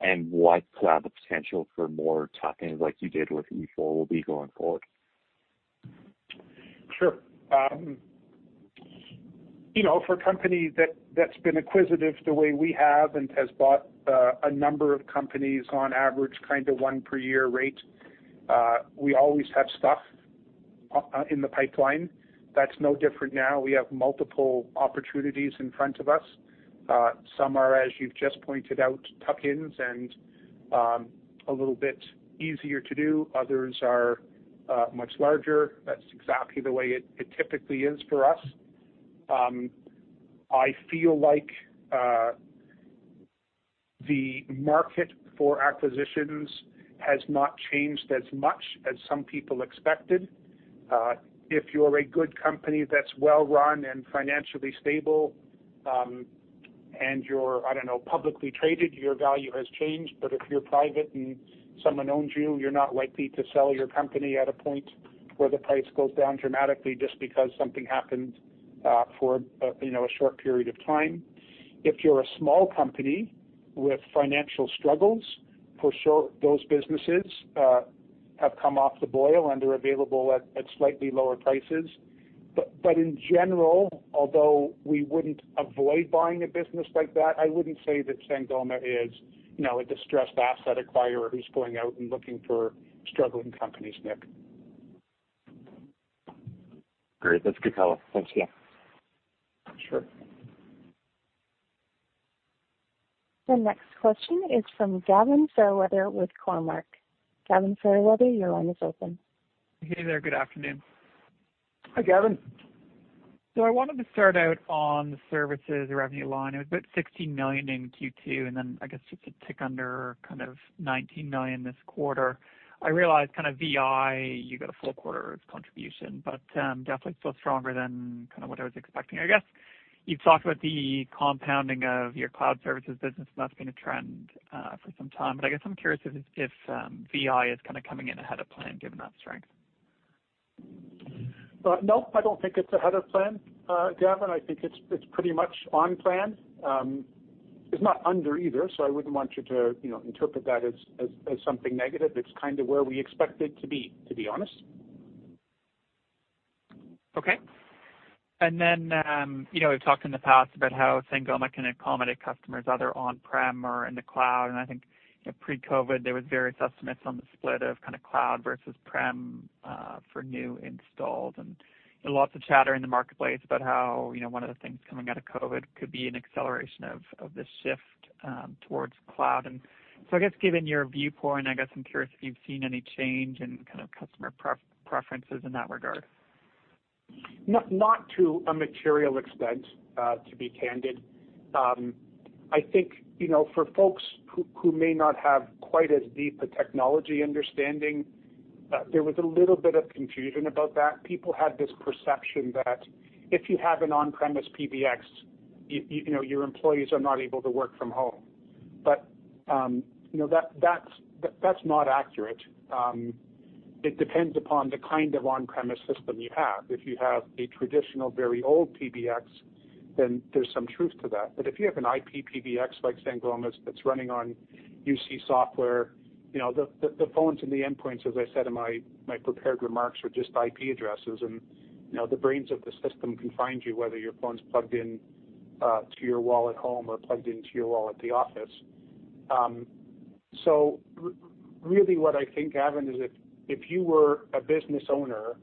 and what the potential for more tuck-ins like you did with .e4 will be going forward? Sure. For a company that's been acquisitive the way we have and has bought a number of companies on average, kind of one per year rate, we always have stuff in the pipeline. That's no different now. We have multiple opportunities in front of us. Some are, as you've just pointed out, tuck-ins and a little bit easier to do. Others are much larger. That's exactly the way it typically is for us. I feel like the market for acquisitions has not changed as much as some people expected. If you're a good company that's well-run and financially stable and you're, I don't know, publicly traded, your value has changed. If you're private and someone owns you're not likely to sell your company at a point where the price goes down dramatically just because something happened for a short period of time. If you're a small company with financial struggles, for sure, those businesses have come off the boil and are available at slightly lower prices. But in general, although we wouldn't avoid buying a business like that, I wouldn't say that Sangoma is a distressed asset acquirer who's going out and looking for struggling companies, Nick. Great. That's good color. Thanks, yeah. Sure. The next question is from Gavin Fairweather with Cormark. Gavin Fairweather, your line is open. Hey there. Good afternoon. Hi, Gavin. I wanted to start out on the services revenue line. It was about 16 million in Q2, I guess just a tick under kind of 19 million this quarter. I realize kind of VI, you get a full quarter's contribution, but definitely still stronger than what I was expecting. I guess you've talked about the compounding of your cloud services business, and that's been a trend for some time. I guess I'm curious if VI is kind of coming in ahead of plan given that strength. No, I don't think it's ahead of plan, Gavin. I think it's pretty much on plan. It's not under either, so I wouldn't want you to interpret that as something negative. It's kind of where we expect it to be, to be honest. Okay. Then, we've talked in the past about how Sangoma can accommodate customers, either on-prem or in the cloud, and I think, pre-COVID, there was various estimates on the split of cloud versus prem for new installs. Lots of chatter in the marketplace about how one of the things coming out of COVID could be an acceleration of this shift towards cloud. So I guess, given your viewpoint, I guess I'm curious if you've seen any change in kind of customer preferences in that regard. Not to a material extent, to be candid. I think, for folks who may not have quite as deep a technology understanding, there was a little bit of confusion about that. People had this perception that if you have an on-premise PBX, your employees are not able to work from home. That's not accurate. It depends upon the kind of on-premise system you have. If you have a traditional, very old PBX, then there's some truth to that. If you have an IP PBX like Sangoma's that's running on UC software, the phones and the endpoints, as I said in my prepared remarks, are just IP addresses and the brains of the system can find you, whether your phone's plugged into your wall at home or plugged into your wall at the office. Really what I think, Gavin, is if you were a business owner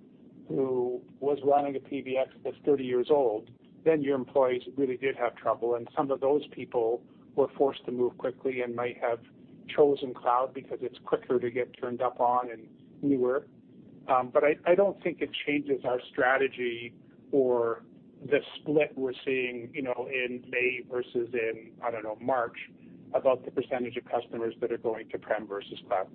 who was running a PBX that's 30 years old, then your employees really did have trouble, and some of those people were forced to move quickly and might have chosen cloud because it's quicker to get turned up on and newer. I don't think it changes our strategy or the split we're seeing in May versus in, I don't know, March, about the percentage of customers that are going to prem versus cloud.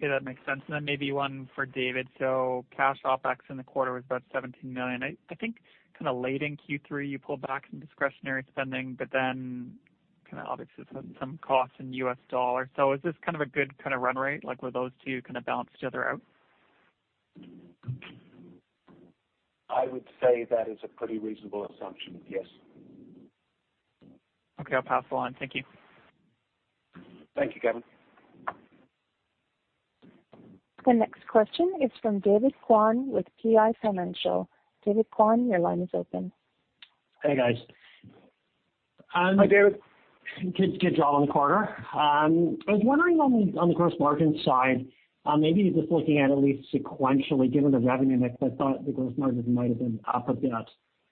Okay, that makes sense. Then maybe one for David. Cash OPEX in the quarter was about 17 million. I think late in Q3, you pulled back some discretionary spending, but obviously some costs in USD. Is this kind of a good run rate, like where those two kind of balance each other out? I would say that is a pretty reasonable assumption, yes. Okay, I'll pass it on. Thank you. Thank you, Gavin. The next question is from David Kwan with PI Financial. David Kwan, your line is open. Hey, guys. Hi, David. Good job on the quarter. I was wondering on the gross margin side, maybe just looking at least sequentially, given the revenue mix, I thought the gross margins might have been up a bit.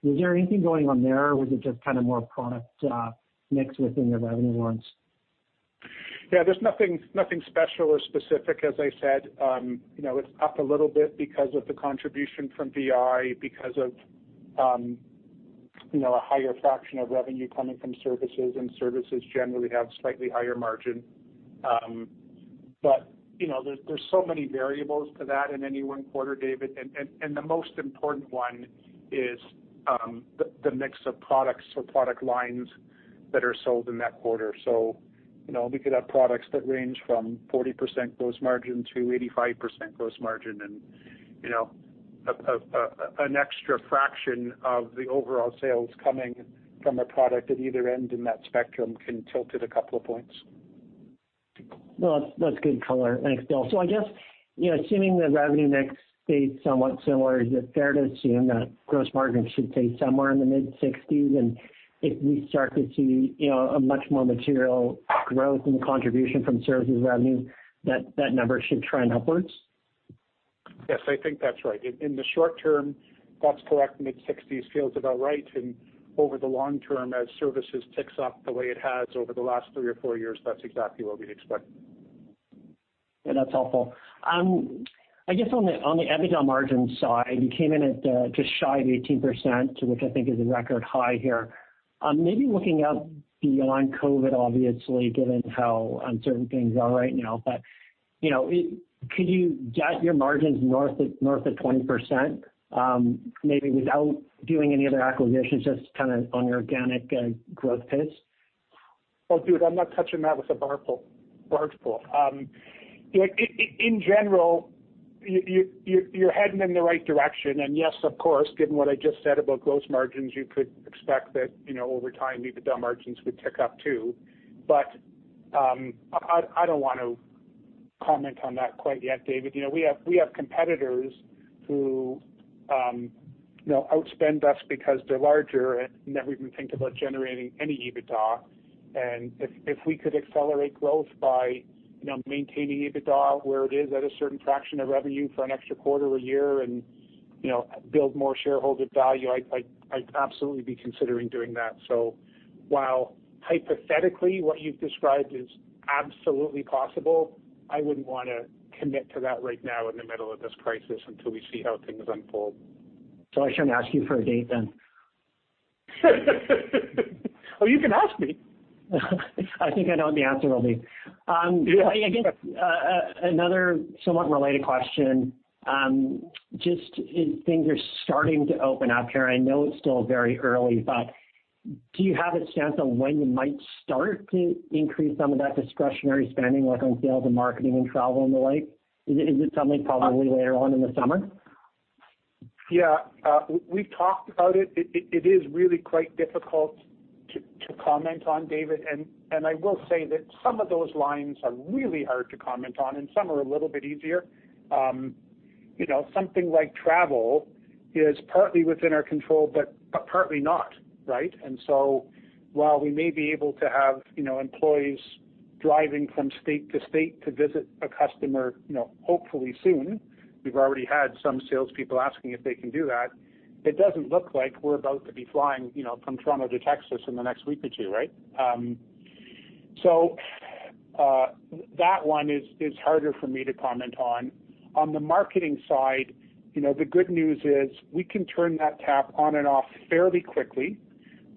Was there anything going on there or was it just kind of more product mix within the revenue ones? Yeah, there's nothing special or specific, as I said. It's up a little bit because of the contribution from VI, because of a higher fraction of revenue coming from services. Services generally have slightly higher margin. There's so many variables to that in any one quarter, David. The most important one is the mix of products or product lines that are sold in that quarter. We could have products that range from 40% gross margin to 85% gross margin. An extra fraction of the overall sales coming from a product at either end in that spectrum can tilt it a couple of points. Well, that's good color. Thanks, Bill. I guess, assuming the revenue mix stays somewhat similar, is it fair to assume that gross margin should stay somewhere in the mid-60s and if we start to see a much more material growth in contribution from services revenue, that that number should trend upwards? Yes, I think that's right. In the short term, that's correct, mid-60s feels about right. Over the long term, as services ticks up the way it has over the last three or four years, that's exactly what we'd expect. That's helpful. I guess on the EBITDA margin side, you came in at just shy of 18%, which I think is a record high here. Maybe looking out beyond COVID-19, obviously, given how uncertain things are right now, but could you get your margins north of 20%, maybe without doing any other acquisitions, just kind of on your organic growth pace? Oh, David, I'm not touching that with a barge pole. In general, you're heading in the right direction, and yes, of course, given what I just said about gross margins, you could expect that over time, EBITDA margins would tick up, too. I don't want to comment on that quite yet, David. We have competitors who outspend us because they're larger and never even think about generating any EBITDA. If we could accelerate growth by maintaining EBITDA where it is at a certain fraction of revenue for an extra quarter or year and build more shareholder value, I'd absolutely be considering doing that. While hypothetically what you've described is absolutely possible, I wouldn't want to commit to that right now in the middle of this crisis until we see how things unfold. I shouldn't ask you for a date then? Oh, you can ask me. I think I know what the answer will be. Yeah. Again, another somewhat related question. Just as things are starting to open up here, I know it's still very early, but do you have a sense of when you might start to increase some of that discretionary spending, like on sales and marketing and travel and the like? Is it something probably later on in the summer? Yeah. We've talked about it. It is really quite difficult to comment on, David. I will say that some of those lines are really hard to comment on, and some are a little bit easier. Something like travel is partly within our control, but partly not, right? While we may be able to have employees driving from state to state to visit a customer hopefully soon, we've already had some salespeople asking if they can do that. It doesn't look like we're about to be flying from Toronto to Texas in the next week or two, right? That one is harder for me to comment on. On the marketing side, the good news is we can turn that tap on and off fairly quickly.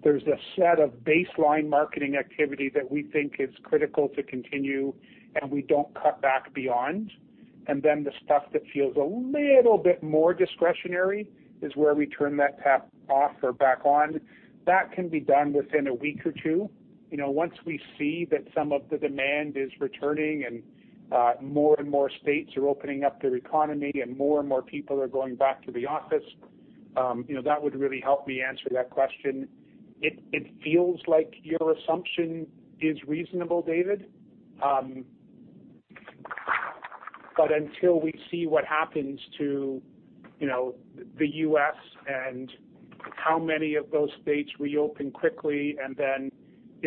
There's a set of baseline marketing activity that we think is critical to continue, and we don't cut back beyond. Then the stuff that feels a little bit more discretionary is where we turn that tap off or back on. That can be done within a week or two. Once we see that some of the demand is returning and more and more states are opening up their economy and more and more people are going back to the office, that would really help me answer that question. It feels like your assumption is reasonable, David. But until we see what happens to the U.S. and how many of those states reopen quickly, and then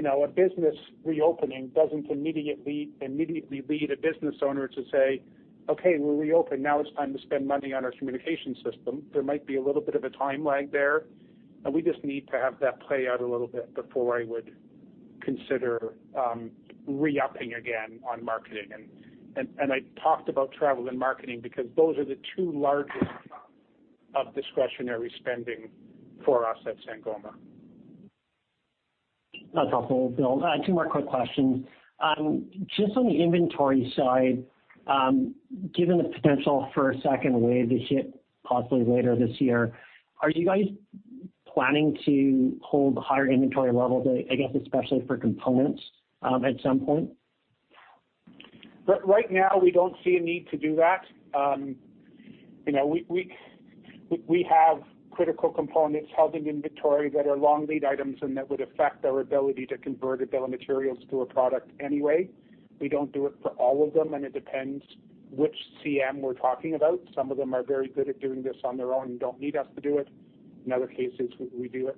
a business reopening doesn't immediately lead a business owner to say, "Okay, we're reopen. Now it's time to spend money on our communication system. There might be a little bit of a time lag there, we just need to have that play out a little bit before I would consider re-upping again on marketing. I talked about travel and marketing because those are the two largest chunks of discretionary spending for us at Sangoma. That's helpful, Bill. Two more quick questions. Just on the inventory side, given the potential for a second wave to hit possibly later this year, are you guys planning to hold higher inventory levels, I guess, especially for components at some point? Right now, we don't see a need to do that. We have critical components held in inventory that are long lead items, and that would affect our ability to convert a bill of materials to a product anyway. We don't do it for all of them, and it depends which CM we're talking about. Some of them are very good at doing this on their own and don't need us to do it. In other cases, we do it.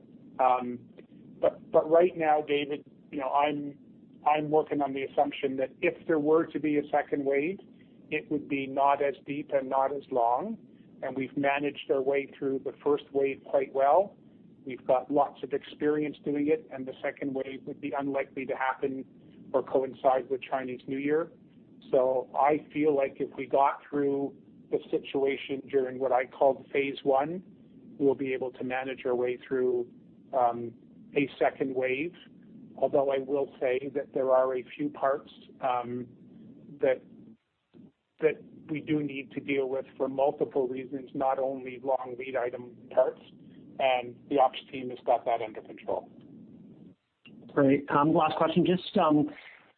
Right now, David, I'm working on the assumption that if there were to be a second wave, it would be not as deep and not as long, and we've managed our way through the first wave quite well. We've got lots of experience doing it, and the second wave would be unlikely to happen or coincide with Chinese New Year. I feel like if we got through the situation during what I call phase one, we'll be able to manage our way through a second wave. Although I will say that there are a few parts that we do need to deal with for multiple reasons, not only long lead item parts, and the ops team has got that under control. Great. Last question. Just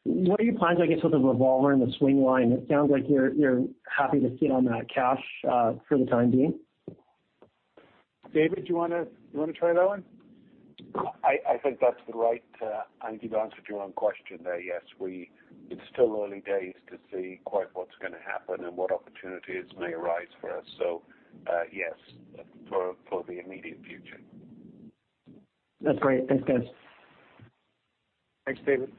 what are your plans, I guess, with the revolver and the swing line? It sounds like you're happy to sit on that cash for the time being. David, do you want to try that one? I think you've answered your own question there. Yes. It's still early days to see quite what's going to happen and what opportunities may arise for us. Yes, for the immediate future. That's great. Thanks, guys. Thanks, David.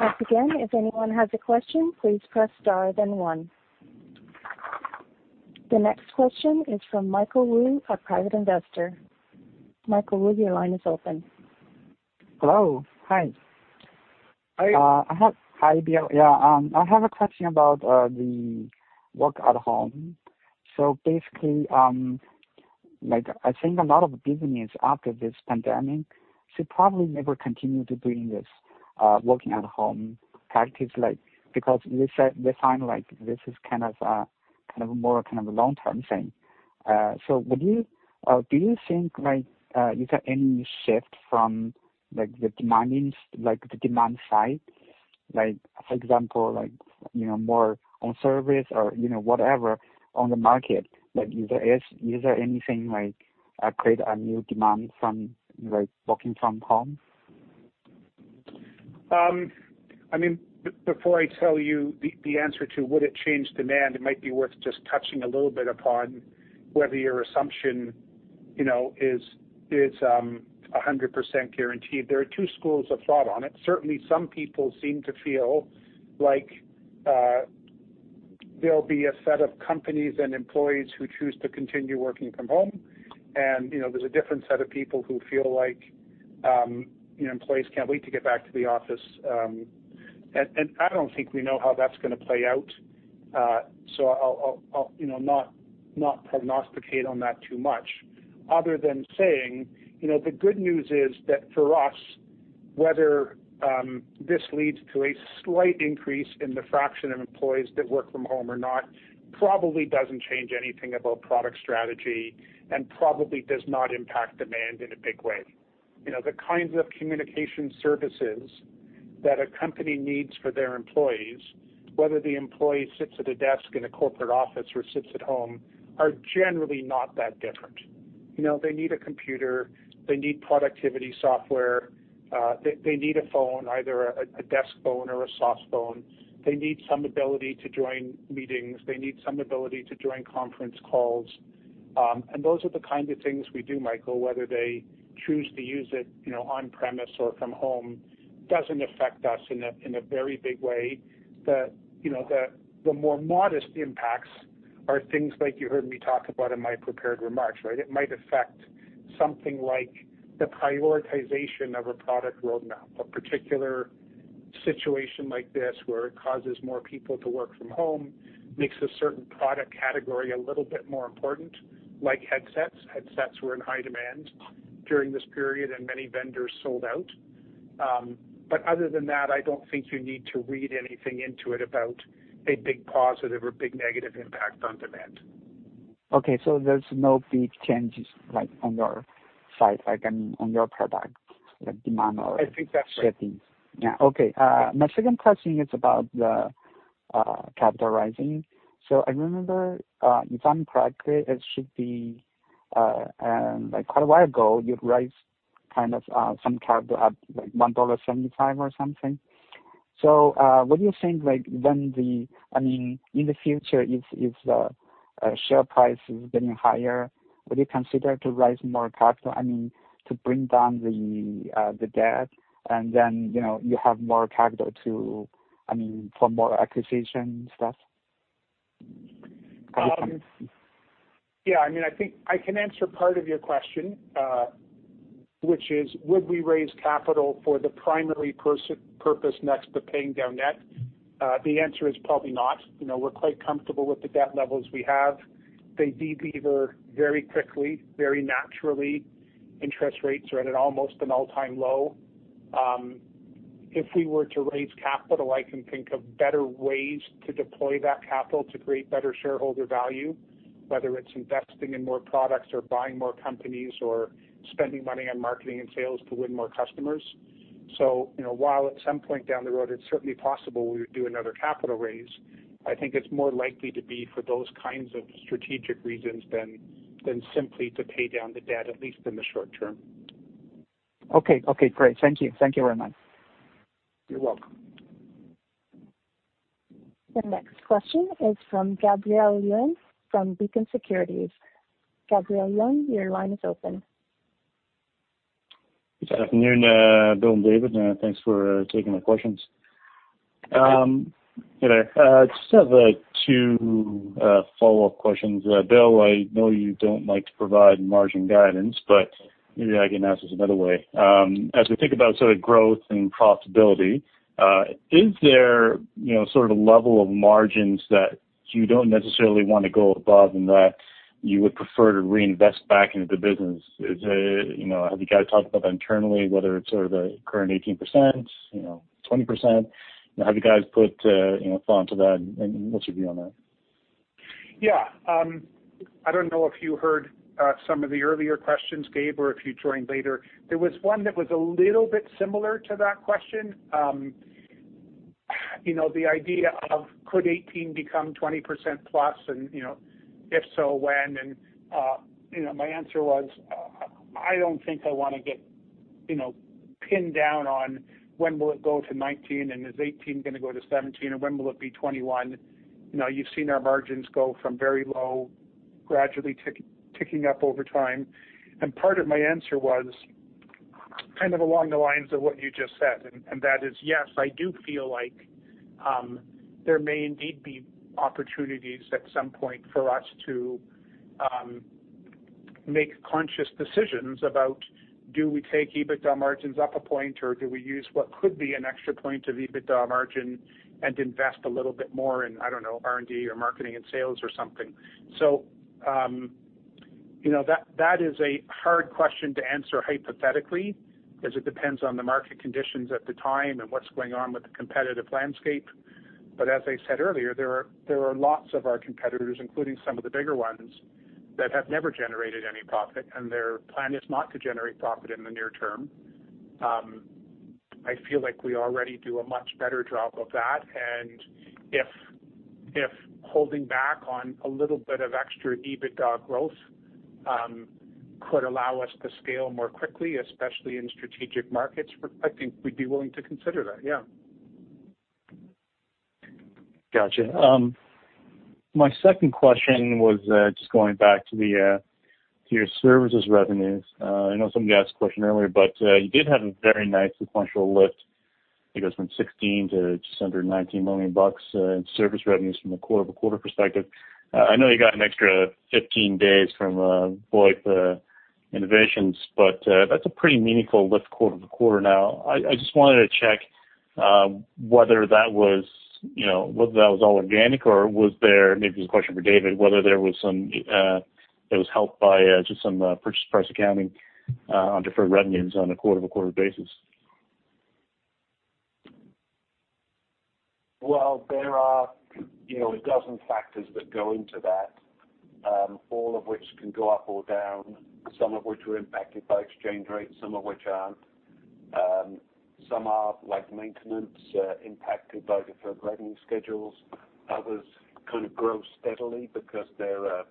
Once again, if anyone has a question, please press star then one. The next question is from Michael Wu, a private investor. Michael Wu, your line is open. Hello. Hi. Hi. Hi, Bill. Yeah. I have a question about the work at home. Basically, I think a lot of business after this pandemic should probably never continue to doing this working at home practice, because they find this is more kind of a long-term thing. Do you think you got any shift from the demand side? For example, more on service or whatever on the market, is there anything create a new demand from working from home? Before I tell you the answer to would it change demand, it might be worth just touching a little bit upon whether your assumption is 100% guaranteed. There are two schools of thought on it. Certainly, some people seem to feel like there'll be a set of companies and employees who choose to continue working from home, and there's a different set of people who feel like employees can't wait to get back to the office. I don't think we know how that's going to play out. I'll not prognosticate on that too much other than saying the good news is that for us. Whether this leads to a slight increase in the fraction of employees that work from home or not, probably doesn't change anything about product strategy and probably does not impact demand in a big way. The kinds of communication services that a company needs for their employees, whether the employee sits at a desk in a corporate office or sits at home, are generally not that different. They need a computer. They need productivity software. They need a phone, either a desk phone or a softphone. They need some ability to join meetings. They need some ability to join conference calls. Those are the kinds of things we do, Michael, whether they choose to use it on premise or from home, doesn't affect us in a very big way. The more modest impacts are things like you heard me talk about in my prepared remarks, right? It might affect something like the prioritization of a product roadmap, a particular situation like this, where it causes more people to work from home, makes a certain product category a little bit more important, like headsets. Headsets were in high demand during this period, and many vendors sold out. Other than that, I don't think you need to read anything into it about a big positive or big negative impact on demand. Okay. there's no big changes on your side, on your product, like demand or- I think that's right. settings. Yeah. Okay. My second question is about the capital raising. I remember, if I'm correct, quite a while ago, you'd raised some capital at 1.75 dollar or something. Would you think in the future if the share price is getting higher, would you consider to raise more capital to bring down the debt, and then you have more capital for more acquisition stuff? Yeah, I think I can answer part of your question, which is would we raise capital for the primary purpose next to paying down debt? The answer is probably not. We're quite comfortable with the debt levels we have. They de-lever very quickly, very naturally. Interest rates are at an almost all-time low. If we were to raise capital, I can think of better ways to deploy that capital to create better shareholder value, whether it's investing in more products or buying more companies or spending money on marketing and sales to win more customers. While at some point down the road, it's certainly possible we would do another capital raise, I think it's more likely to be for those kinds of strategic reasons than simply to pay down the debt, at least in the short term. Okay. Great. Thank you. Thank you very much. You're welcome. The next question is from Gabriel Leung from Beacon Securities. Gabriel Leung, your line is open. Good afternoon, Bill and David. Thanks for taking the questions. Yeah. Just have two follow-up questions. Bill, I know you don't like to provide margin guidance, but maybe I can ask this another way. As we think about sort of growth and profitability, is there sort of a level of margins that you don't necessarily want to go above and that you would prefer to reinvest back into the business? Have you guys talked about that internally, whether it's sort of the current 18%, 20%? Have you guys put thought into that, and what's your view on that? Yeah. I don't know if you heard some of the earlier questions, Gabe, or if you joined later. There was one that was a little bit similar to that question. The idea of could 18% become 20% plus, and if so, when? My answer was, I don't think I want to get pinned down on when will it go to 19%, and is 18% going to go to 17%, and when will it be 21%? You've seen our margins go from very low, gradually ticking up over time. Part of my answer was kind of along the lines of what you just said, and that is, yes, I do feel like there may indeed be opportunities at some point for us to make conscious decisions about do we take EBITDA margins up a point, or do we use what could be an extra point of EBITDA margin and invest a little bit more in, I don't know, R&D or marketing and sales or something. That is a hard question to answer hypothetically, as it depends on the market conditions at the time and what's going on with the competitive landscape. As I said earlier, there are lots of our competitors, including some of the bigger ones, that have never generated any profit, and their plan is not to generate profit in the near term. I feel like we already do a much better job of that, and if holding back on a little bit of extra EBITDA growth could allow us to scale more quickly, especially in strategic markets, I think we'd be willing to consider that, yeah. Got you. My second question was just going back to your services revenues. I know somebody asked a question earlier, you did have a very nice sequential lift, I guess, from 16 million to just under 19 million bucks in service revenues from a quarter-over-quarter perspective. I know you got an extra 15 days from VoIP Innovations, that's a pretty meaningful lift quarter-over-quarter now. I just wanted to check whether that was all organic or was there, maybe this is a question for David, whether it was helped by just some purchase price accounting on deferred revenues on a quarter-over-quarter basis? Well, there are 12 factors that go into that, all of which can go up or down, some of which are impacted by exchange rates, some of which aren't. Some are, like maintenance, impacted by deferred revenue schedules. Others kind of grow steadily because they're a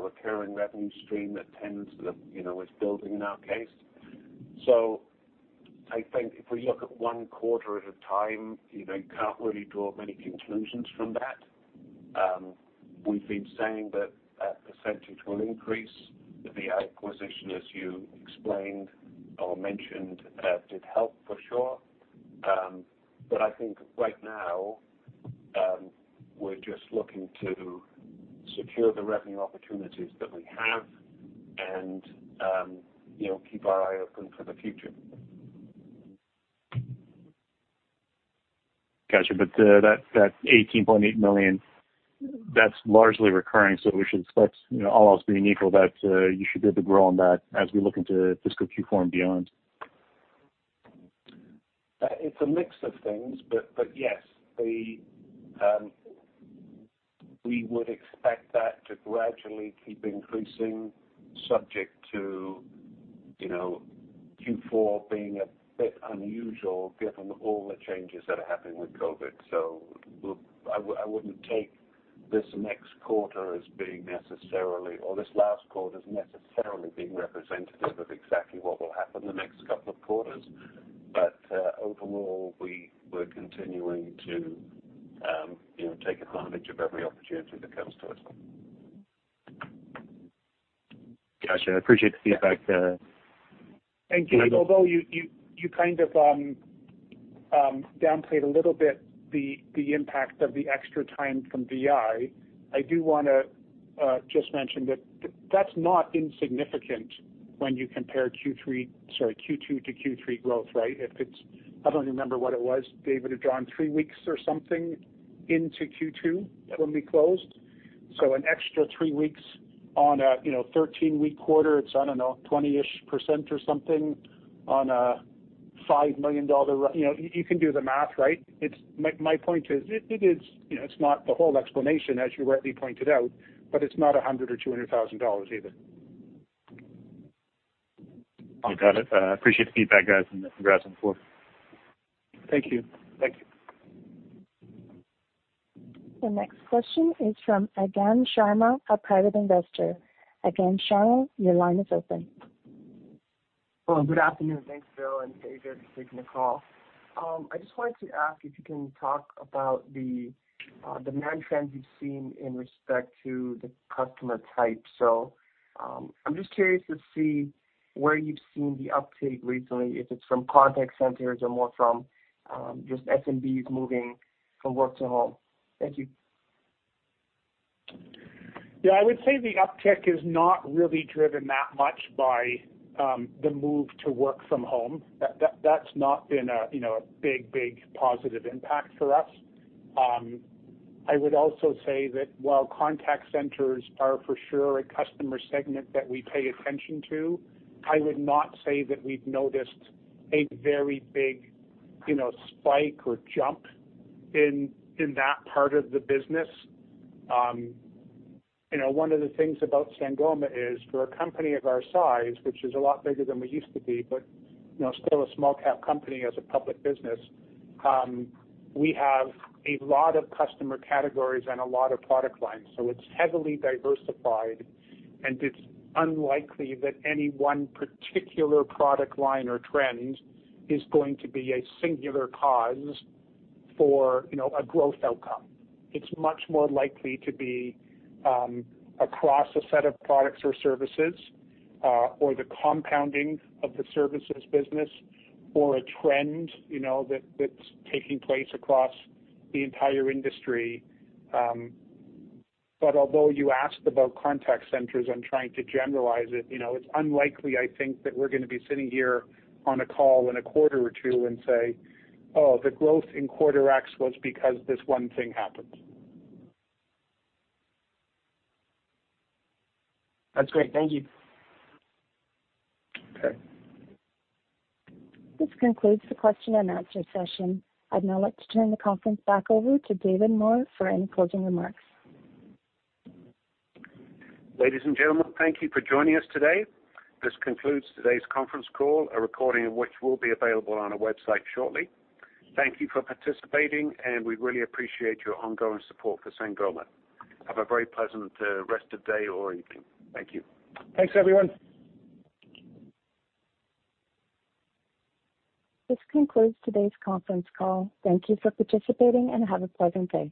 recurring revenue stream that is building in our case. I think if we look at one quarter at a time, you can't really draw many conclusions from that. We've been saying that that percent will increase. The VI acquisition, as you explained or mentioned, did help for sure. I think right now, we're just looking to secure the revenue opportunities that we have and keep our eye open for the future. Got you. That CAD 18.8 million, that's largely recurring. All else being equal, you should be able to grow on that as we look into fiscal Q4 and beyond. It's a mix of things. Yes, we would expect that to gradually keep increasing, subject to Q4 being a bit unusual given all the changes that are happening with COVID-19. I wouldn't take this next quarter as being necessarily, or this last quarter as necessarily being representative of exactly what will happen in the next couple of quarters. Overall, we're continuing to take advantage of every opportunity that comes to us. Got you. I appreciate the feedback. Thank you. Although you kind of downplayed a little bit the impact of the extra time from VI, I do want to just mention that that's not insignificant when you compare Q2 to Q3 growth, right? I don't remember what it was, David, around three weeks or something into Q2 when we closed. An extra three weeks on a 13-week quarter, it's, I don't know, 20-ish% or something on a 5 million dollar. You can do the math, right? My point is, it's not the whole explanation, as you rightly pointed out, but it's not 100,000 or 200,000 dollars either. Got it. Appreciate the feedback, guys, and congrats on the quarter. Thank you. Thank you. The next question is from Agam Sharma, a private investor. Agam Sharma, your line is open. Hello. Good afternoon. Thanks, Bill and David. Thanks for taking the call. I just wanted to ask if you can talk about the demand trends you've seen in respect to the customer type. I'm just curious to see where you've seen the uptake recently, if it's from contact centers or more from just SMBs moving from work to home. Thank you. I would say the uptick is not really driven that much by the move to work from home. That's not been a big positive impact for us. I would also say that while contact centers are for sure a customer segment that we pay attention to, I would not say that we've noticed a very big spike or jump in that part of the business. One of the things about Sangoma is for a company of our size, which is a lot bigger than we used to be, but still a small cap company as a public business, we have a lot of customer categories and a lot of product lines. It's heavily diversified, and it's unlikely that any one particular product line or trend is going to be a singular cause for a growth outcome. It's much more likely to be across a set of products or services, or the compounding of the services business, or a trend that's taking place across the entire industry. Although you asked about contact centers, I'm trying to generalize it. It's unlikely, I think, that we're going to be sitting here on a call in a quarter or two and say, "Oh, the growth in quarter X was because this one thing happened. That's great. Thank you. Okay. This concludes the question and answer session. I'd now like to turn the conference back over to David Moore for any closing remarks. Ladies and gentlemen, thank you for joining us today. This concludes today's conference call, a recording of which will be available on our website shortly. Thank you for participating, and we really appreciate your ongoing support for Sangoma. Have a very pleasant rest of day or evening. Thank you. Thanks, everyone. This concludes today's conference call. Thank you for participating, and have a pleasant day.